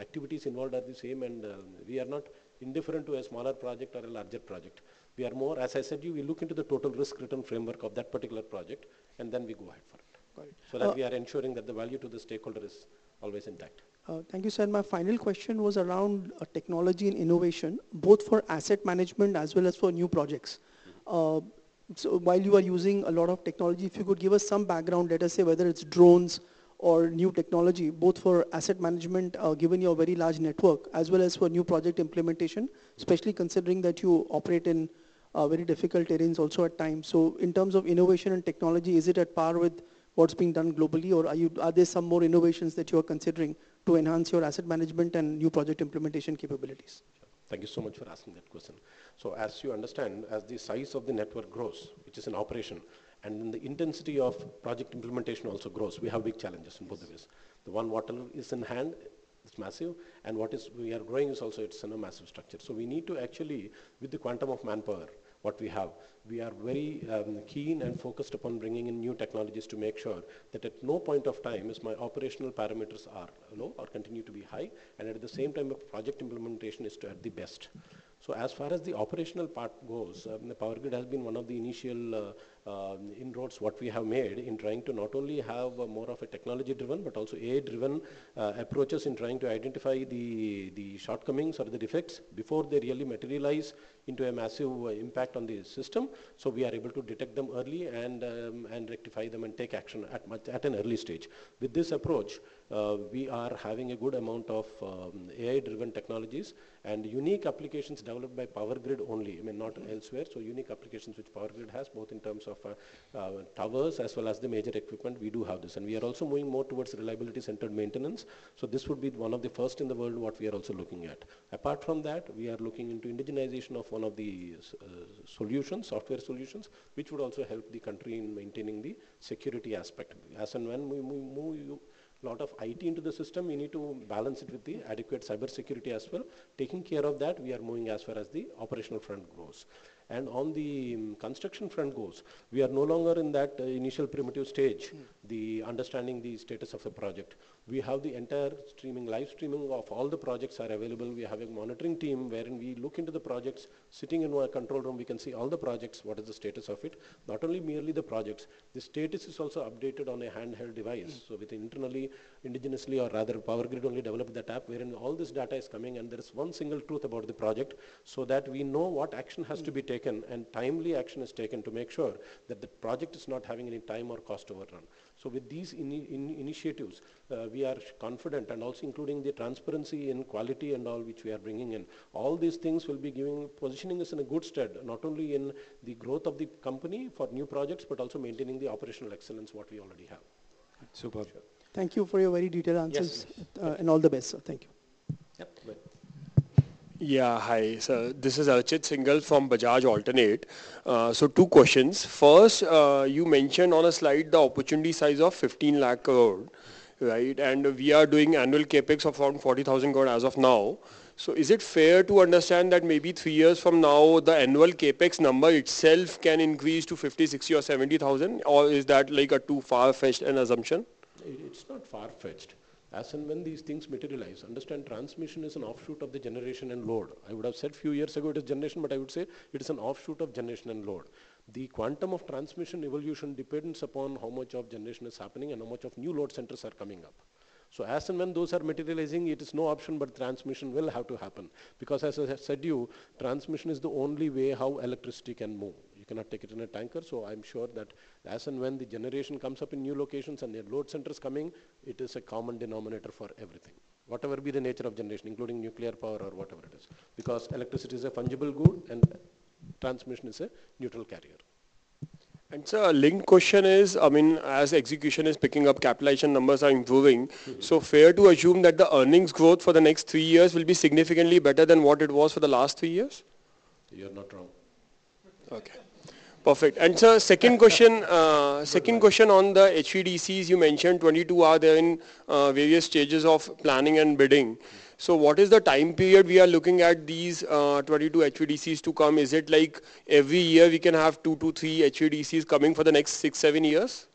activities involved are the same and we are not indifferent to a smaller project or a larger project. We are more, as I said you, we look into the total risk return framework of that particular project, and then we go ahead for it.
Got it.
That we are ensuring that the value to the stakeholder is always intact.
Thank you, sir. My final question was around technology and innovation, both for asset management as well as for new projects. While you are using a lot of technology, if you could give us some background data, say, whether it's drones or new technology, both for asset management, given your very large network, as well as for new project implementation, especially considering that you operate in very difficult terrains also at times. In terms of innovation and technology, is it at par with what's being done globally, or are there some more innovations that you are considering to enhance your asset management and new project implementation capabilities?
Thank you so much for asking that question. As you understand, as the size of the network grows, which is an operation, and the intensity of project implementation also grows, we have big challenges in both of these. The one what is in hand, it's massive, and what is we are growing is also it's in a massive structure. We need to actually, with the quantum of manpower, what we have, we are very keen and focused upon bringing in new technologies to make sure that at no point of time is my operational parameters are low or continue to be high, and at the same time, project implementation is to have the best. As far as the operational part goes, Power Grid has been one of the initial inroads what we have made in trying to not only have more of a technology-driven but also AI-driven approaches in trying to identify the shortcomings or the defects before they really materialize into a massive impact on the system. We are able to detect them early and rectify them and take action at an early stage. With this approach, we are having a good amount of AI-driven technologies and unique applications developed by Power Grid only, not elsewhere. Unique applications which Power Grid has, both in terms of towers as well as the major equipment, we do have this. We are also moving more towards reliability-centered maintenance. This would be one of the first in the world what we are also looking at. Apart from that, we are looking into one of the software solutions, which would also help the country in maintaining the security aspect. When we move a lot of IT into the system, we need to balance it with adequate cybersecurity as well. Taking care of that, we are moving as far as the operational front goes. On the construction front goes, we are no longer in that initial primitive stage, the understanding the status of the project. We have the entire live streaming of all the projects are available. We have a monitoring team where we look into the projects. Sitting in our control room, we can see all the projects, what is the status of it. Not only merely the projects, the status is also updated on a handheld device. Internally, indigenously, or rather, Power Grid only developed that app wherein all this data is coming, and there is one single truth about the project so that we know what action has to be taken and timely action is taken to make sure that the project is not having any time or cost overrun. With these initiatives, we are confident, and also including the transparency and quality and all, which we are bringing in. All these things will be positioning us in a good state, not only in the growth of the company for new projects, but also maintaining the operational excellence what we already have.
Superb. Thank you for your very detailed answers.
Yes.
All the best, sir. Thank you.
Yeah.
Hi, sir. This is Archit Singhal from Bajaj Alternate. Two questions. First, you mentioned on a slide the opportunity size of 1,500,000 crore. Right? We are doing annual CapEx of around 40,000 crore as of now. Is it fair to understand that maybe three years from now, the annual CapEx number itself can increase to 50,000 crore, 60,000 crore, or 70,000 crore? Or is that a too far-fetched an assumption?
It's not far-fetched. As and when these things materialize, understand transmission is an offshoot of the generation and load. I would have said a few years ago it is generation. I would say it is an offshoot of generation and load. The quantum of transmission evolution depends upon how much generation is happening and how much of new load centers are coming up. As and when those are materializing, it is no option but transmission will have to happen. Because as I said to you, transmission is the only way how electricity can move. You cannot take it in a tanker. I'm sure that as and when the generation comes up in new locations and the load centers coming, it is a common denominator for everything. Whatever be the nature of generation, including nuclear power or whatever it is, because electricity is a fungible good and transmission is a neutral carrier.
Sir, a linked question is, as execution is picking up, capitalization numbers are improving. Fair to assume that the earnings growth for the next three years will be significantly better than what it was for the last three years?
You're not wrong.
Okay. Perfect. Sir, second question on the HVDCs. You mentioned 22 are there in various stages of planning and bidding. What is the time period we are looking at these 22 HVDCs to come? Is it like every year we can have two to three HVDCs coming for the next six, seven years?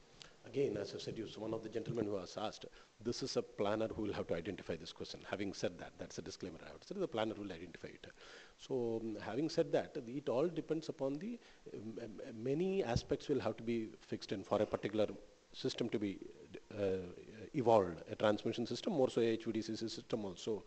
As I said, it was one of the gentlemen who has asked, this is a planner who will have to identify this question. That's a disclaimer I would say, the planner will identify it. Many aspects will have to be fixed and for a particular system to be evolved, a transmission system or so, HVDC system also.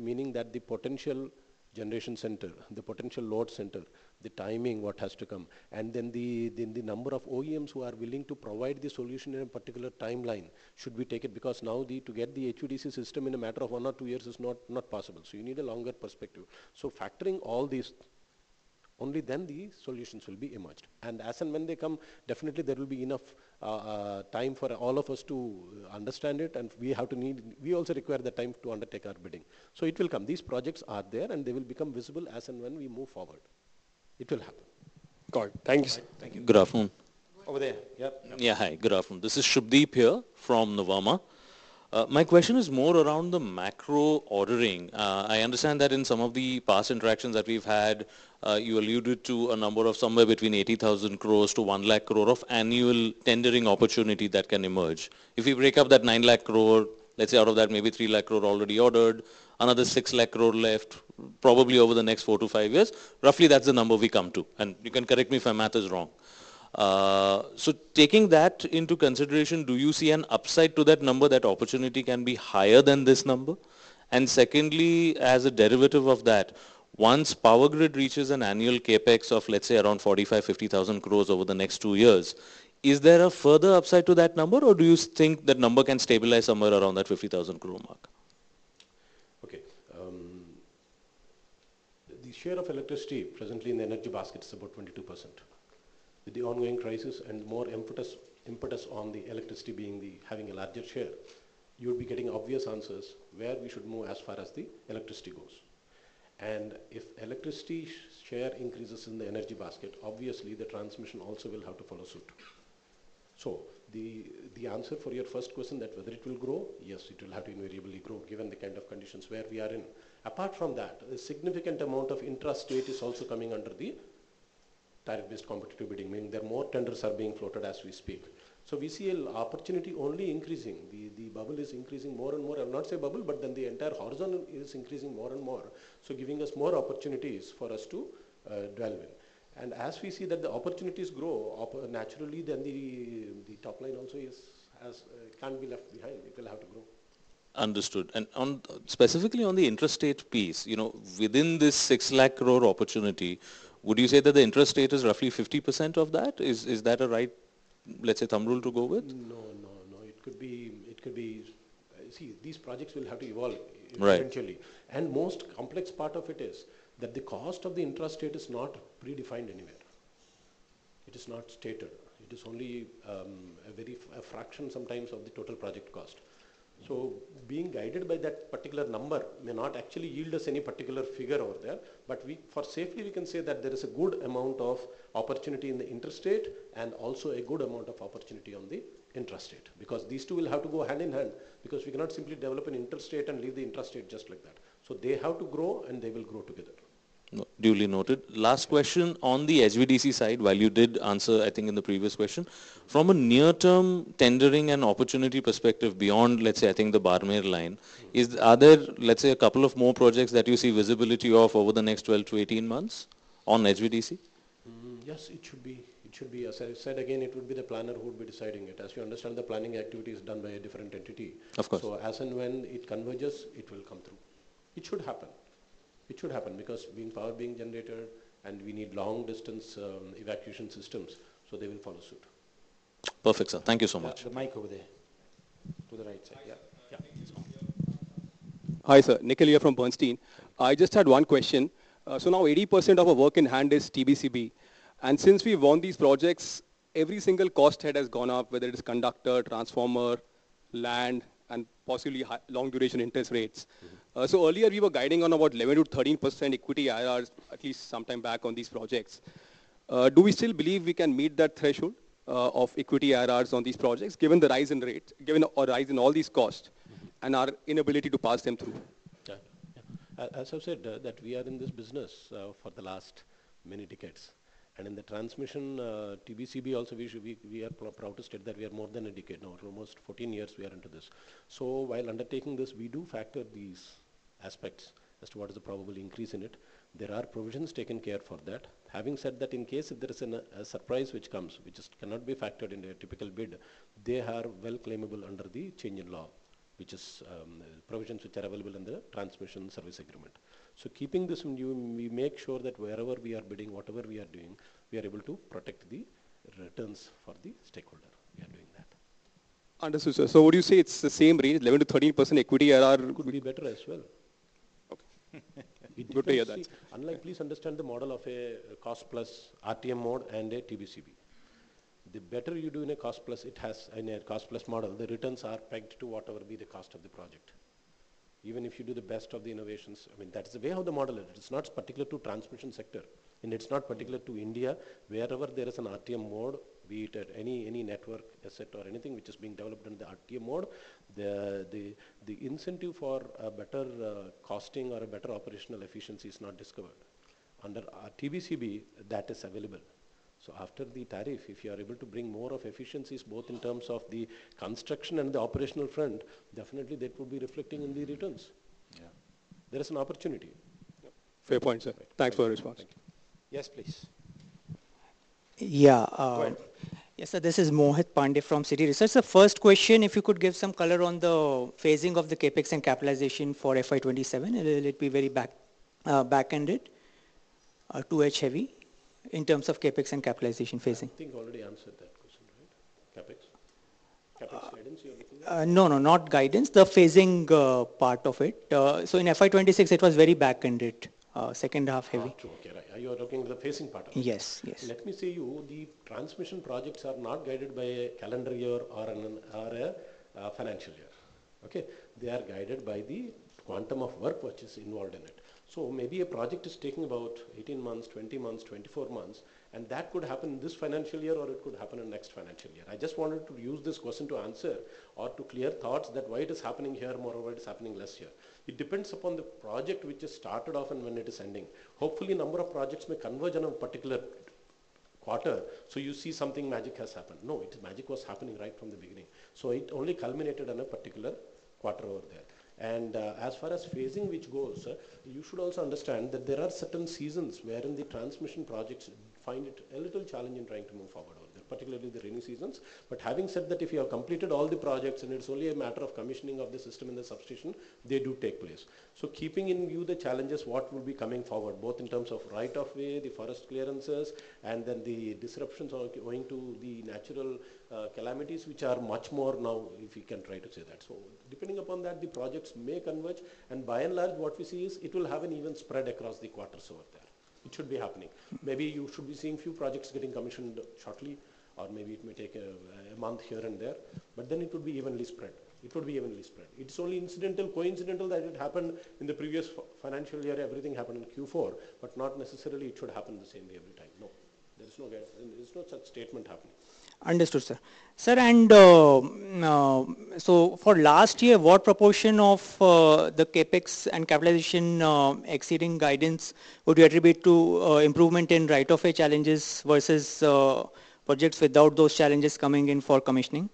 Meaning that the potential generation center, the potential load center, the timing what has to come, and then the number of OEMs who are willing to provide the solution in a particular timeline should be taken because now to get the HVDC system in a matter of one or two years is not possible. You need a longer perspective. Factoring all these, only then the solutions will be emerged. As and when they come, definitely there will be enough time for all of us to understand it, and we also require the time to undertake our bidding. It will come. These projects are there, and they will become visible as and when we move forward. It will happen.
Got it. Thanks.
Thank you.
Good afternoon.
Over there. Yep.
Hi, good afternoon. This is Subhadip here from Nuvama. My question is more around the macro ordering. I understand that in some of the past interactions that we've had, you alluded to a number of somewhere between 80,000 crore to 1 lakh crore of annual tendering opportunity that can emerge. If we break up that 9 lakh crore, let's say out of that, maybe 3 lakh crore already ordered, another 6 lakh crore left, probably over the next four to five years. Roughly, that's the number we come to. You can correct me if my math is wrong. Taking that into consideration, do you see an upside to that number, that opportunity can be higher than this number? Secondly, as a derivative of that, once Power Grid reaches an annual CapEx of, let's say, around 45,000 crore, 50,000 crore over the next two years, is there a further upside to that number, or do you think that number can stabilize somewhere around that 50,000 crore mark?
The share of electricity presently in the energy basket is about 22%. With the ongoing crisis and more impetus on the electricity being the having a larger share, you'll be getting obvious answers where we should move as far as the electricity goes. If electricity share increases in the energy basket, obviously the transmission also will have to follow suit. The answer for your first question that whether it will grow, yes, it will have to invariably grow given the kind of conditions where we are in. Apart from that, a significant amount of intrastate is also coming under the tariff-based competitiveness, meaning that more tenders are being floated as we speak. We see opportunity only increasing. The bubble is increasing more and more. I would not say bubble, but then the entire horizon is increasing more and more, so giving us more opportunities for us to dwell in. As we see that the opportunities grow, naturally then the top line also can't be left behind. It will have to grow.
Understood. Specifically on the intrastate piece, within this 6 lakh crore opportunity, would you say that the intrastate is roughly 50% of that? Is that a right, let's say, thumb rule to go with?
No, it could be these projects will have to evolve.
Right
Eventually. Most complex part of it is that the cost of the intrastate is not predefined anywhere. It is not stated. It is only a fraction sometimes of the total project cost. Being guided by that particular number may not actually yield us any particular figure over there. For safety, we can say that there is a good amount of opportunity in the interstate and also a good amount of opportunity on the intrastate, because these two will have to go hand in hand, because we cannot simply develop an interstate and leave the intrastate just like that. They have to grow and they will grow together.
Duly noted. Last question on the HVDC side, while you did answer, I think, in the previous question. From a near-term tendering and opportunity perspective, beyond, let's say, I think the Barmer line, are there, let's say, a couple of more projects that you see visibility of over the next 12-18 months on HVDC?
Yes, it should be. As I said, again, it would be the planner who would be deciding it. As you understand, the planning activity is done by a different entity.
Of course.
As and when it converges, it will come through. It should happen. Being power being generated, and we need long-distance evacuation systems, so they will follow suit.
Perfect, sir. Thank you so much.
That mic over there. To the right side, yeah.
Hi, sir. Nikhil here from Bernstein. I just had one question. Now 80% of our work in hand is TBCB. Since we won these projects, every single cost head has gone up, whether it is conductor, transformer, land, and possibly long-duration interest rates. Earlier you were guiding on about 11%-13% equity IRRs at least sometime back on these projects. Do we still believe we can meet that threshold of equity IRRs on these projects given the rise in rates, given a rise in all these costs and our inability to pass them through?
As I said that we are in this business for the last many decades. In the transmission TBCB also, we are proud to state that we are more than a decade now, almost 14 years we are into this. While undertaking this, we do factor these aspects as to what is the probable increase in it. There are provisions taken care of for that. Having said that, in case if there is a surprise which comes, which cannot be factored in a typical bid, they are well claimable under the change in law, which is provisions which are available in the transmission service agreement. Keeping this in view, we make sure that wherever we are bidding, whatever we are doing, we are able to protect the returns for the stakeholder. We are doing that.
Understood, sir. Would you say it's the same range, 11%-13% equity IRR?
It could be better as well.
Okay. It could be better.
Unless, please understand the model of a cost-plus RTM mode and a TBCB. The better you do in a cost-plus model, the returns are pegged to whatever be the cost of the project. Even if you do the best of the innovations, I mean, that's the way how the model is. It's not particular to transmission sector, and it's not particular to India. Wherever there is an RTM mode, be it any network, et cetera, anything which is being developed in the RTM mode, the incentive for a better costing or a better operational efficiency is not discovered. Under TBCB, that is available. After the tariff, if you are able to bring more of efficiencies both in terms of the construction and the operational front, definitely they could be reflecting in the returns.
Yeah.
There's an opportunity. Yeah.
Fair point, sir. Thanks for your response.
Yes, please.
Yeah.
Go ahead.
Yes, sir. This is Mohit Pandey from Citi Research. Sir, first question, if you could give some color on the phasing of the CapEx and capitalization for FY 2027, it may be very back-ended or too heavy in terms of CapEx and capitalization phasing.
I think I already answered that question, right? CapEx? CapEx guidance, you were looking for?
No, not guidance. The phasing part of it. In FY 2026, it was very back-ended. Second half heavy.
You're looking at the phasing part of it.
Yes.
Let me say you, the transmission projects are not guided by a calendar year or a financial year. Okay? They are guided by the quantum of work which is involved in it. Maybe a project is taking about 18 months, 20 months, 24 months, and that could happen this financial year, or it could happen in next financial year. I just wanted to use this question to answer or to clear thoughts that why it is happening here more, or why it's happening less here. It depends upon the project which has started off and when it is ending. Hopefully, number of projects may converge on a particular quarter, you see something magic has happened. No, magic was happening right from the beginning. It only culminated in a particular quarter over there. As far as phasing which goes, you should also understand that there are certain seasons wherein the transmission projects find it a little challenging trying to move forward over there, particularly the rainy seasons. Having said that, if you have completed all the projects and it's only a matter of commissioning of the system and the substation, they do take place. Keeping in view the challenges what would be coming forward, both in terms of right of way, the forest clearances, and then the disruptions owing to the natural calamities, which are much more now if you can try to say that. Depending upon that, the projects may converge, and by and large, what we see is it will have an even spread across the quarters over there. It should be happening. You should be seeing few projects getting commissioned shortly, or it may take a month here and there. It would be evenly spread. It's only incidental, coincidental that it happened in the previous financial year, everything happened in Q4. Not necessarily it should happen the same way every time. No. There's no such statement happening.
Understood, sir. Sir, for last year, what proportion of the CapEx and capitalization exceeding guidance would you attribute to improvement in right of way challenges versus projects without those challenges coming in for commissioning?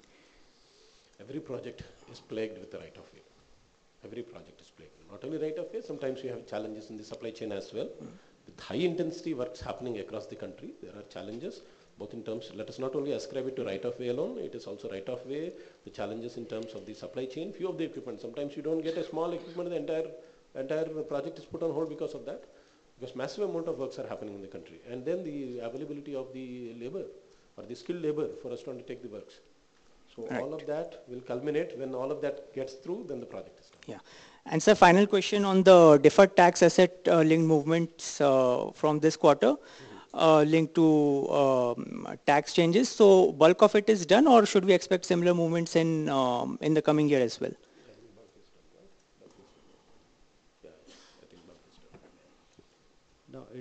Every project is plagued with right of way. Not only right of way, sometimes we have challenges in the supply chain as well. With high intensity what's happening across the country, there are challenges. Let us not only ascribe it to right of way alone. It is also right of way, the challenges in terms of the supply chain, few of the equipment. Sometimes you don't get a small equipment, the entire project is put on hold because of that. Massive amount of works are happening in the country. The availability of the labor or the skilled labor for us to undertake the works. All of that will culminate when all of that gets through, then the project is done.
Yeah. Sir, final question on the deferred tax asset link movements from this quarter linked to tax changes. Bulk of it is done or should we expect similar movements in the coming year as well?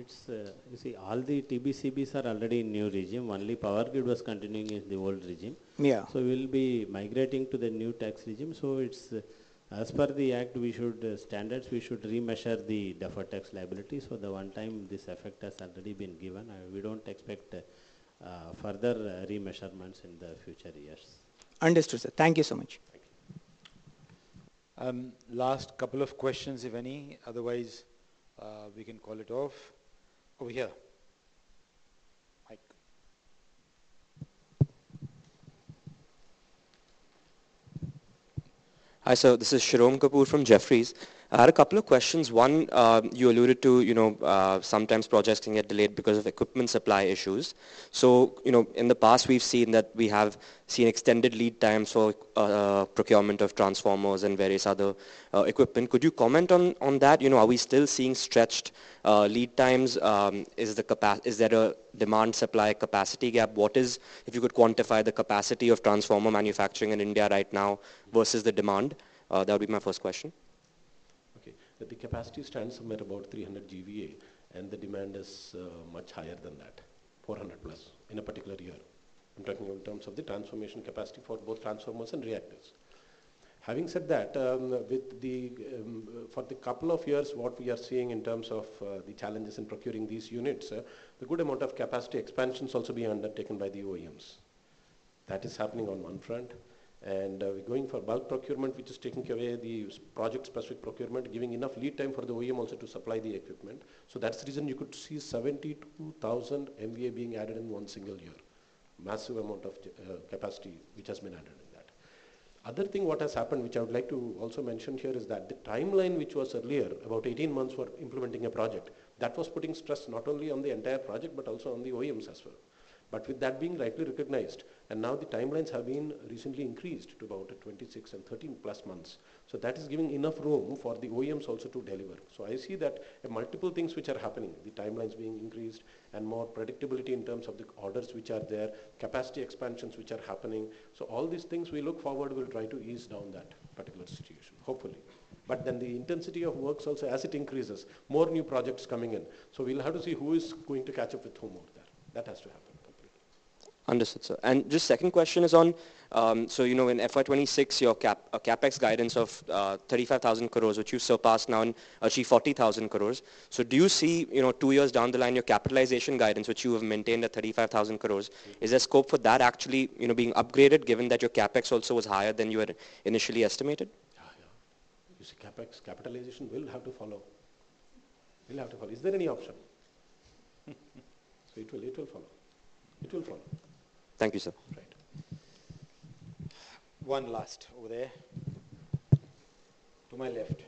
I think bulk is done. You see all the TBCBs are already in new regime. Only Power Grid was continuing in the old regime.
Yeah.
We'll be migrating to the new tax regime. As per the, [inaudible] we should remeasure the deferred tax liability. The one-time this effect has already been given, we don't expect further remeasurements in the future years.
Understood, sir. Thank you so much.
Thank you. Last couple of questions, if any. Otherwise, we can call it off. Over here. Mic.
Hi, sir, this is Shirom Kapur from Jefferies. I had a couple of questions. One, you alluded to sometimes projects getting delayed because of equipment supply issues. In the past we have seen extended lead times for procurement of transformers and various other equipment. Could you comment on that? Are we still seeing stretched lead times? Is there a demand-supply capacity gap? If you could quantify the capacity of transformer manufacturing in India right now versus the demand. That'll be my first question.
Okay. The capacity stands somewhere about 300 GVA and the demand is much higher than that, 400 plus in a particular year. I'm talking in terms of the transformation capacity for both transformers and reactors. Having said that, for the couple of years what we are seeing in terms of the challenges in procuring these units, a good amount of capacity expansion is also being undertaken by the OEMs. That is happening on one front. We're going for bulk procurement, which is taking away the project-specific procurement, giving enough lead time for the OEM also to supply the equipment. That's the reason you could see 72,000 MVA being added in one single year. Massive amount of capacity, which has been added in that. Other thing what has happened, which I would like to also mention here, is that the timeline which was earlier about 18 months for implementing a project, that was putting stress not only on the entire project but also on the OEMs as well. With that being rightly recognized, now the timelines have been recently increased to about 26 and 13+ months. That is giving enough room for the OEMs also to deliver. I see that multiple things which are happening, the timelines being increased and more predictability in terms of the orders which are there, capacity expansions which are happening. All these things we look forward will try to ease down that particular situation, hopefully. The intensity of work also as it increases, more new projects coming in. We'll have to see who is going to catch up with whom out there. That has to happen hopefully.
Understood, sir. Just second question is on, in FY 2026, your CapEx guidance of 35,000 crore, which you surpassed now and achieved 40,000 crore. Do you see, two years down the line, your capitalization guidance, which you have maintained at 35,000 crore, is there scope for that actually being upgraded given that your CapEx also is higher than you had initially estimated?
Yeah. This capitalization will have to follow. Is there any option? It will follow.
Thank you, sir.
Right. One last, over there. To my left.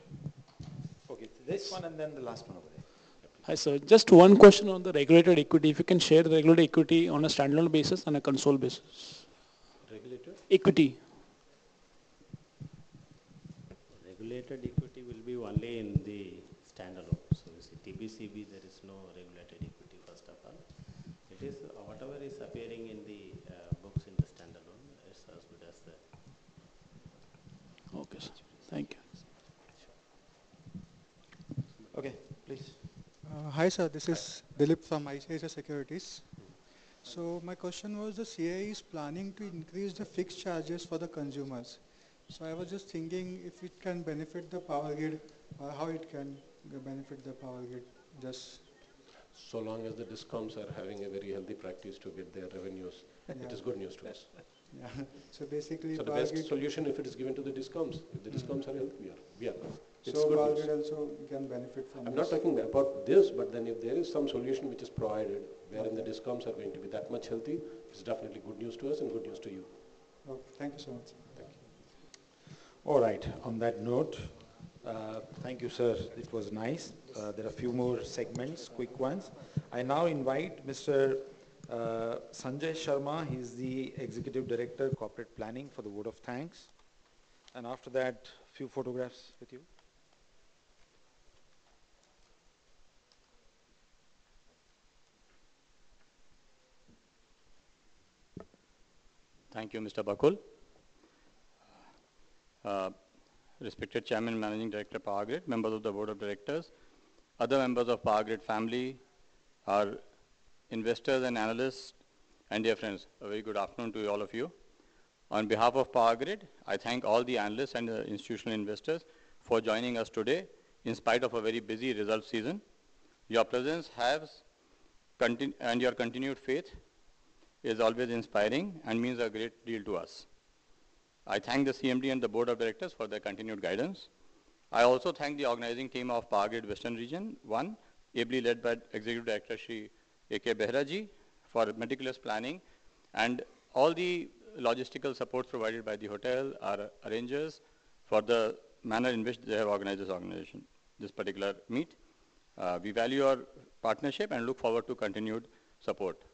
Okay, this one and then the last one over there.
Hi, sir, just one question on the regulated equity. If you can share regulated equity on a standalone basis and a consolidated basis.
Regulator?
Equity.
Regulated equity will be only in the standalone. You see TBCB, there is no regulated equity, first of all. Whatever is appearing in the books in the standalone, that's as good as that.
Okay, sir. Thank you.
Sure. Okay, please.
Hi, sir. This is Dilip from ICICI Securities. My question was, the CERC is planning to increase the fixed charges for the consumers. I was just thinking if it can benefit the Power Grid or how it can benefit the Power Grid?
Long as the DISCOMs are having a very healthy practice to get their revenues, it is good news to us.
Yeah. basically Power Grid.
The best solution, if it is given to the DISCOMs, if the DISCOMs are healthier, we are good.
Power Grid also can benefit from this.
I'm not talking about this, but then if there is some solution which is provided wherein the DISCOMs are going to be that much healthy, it's definitely good news to us and good news to you.
Okay, thanks so much.
All right. On that note, thank you, sir. It was nice. There are a few more segments, quick ones. I now invite Mr. Sanjay Sharma. He's the Executive Director, Corporate Planning, for the vote of thanks. After that, a few photographs with you.
Thank you, Mr. Bakul. Respected Chairman and Managing Director of Power Grid, members of the Board of Directors, other members of Power Grid family, our investors and analysts, dear friends, a very good afternoon to all of you. On behalf of Power Grid, I thank all the analysts and institutional investors for joining us today in spite of a very busy result season. Your presence and your continued faith is always inspiring and means a great deal to us. I thank the CMD and the Board of Directors for their continued guidance. I also thank the organizing team of Power Grid Western Region. Ably led by Executive Director, Shri A.K. Behera for meticulous planning, and all the logistical support provided by the hotel arrangers for the manner in which they have organized this particular meet. We value our partnership and look forward to continued support. Thank you.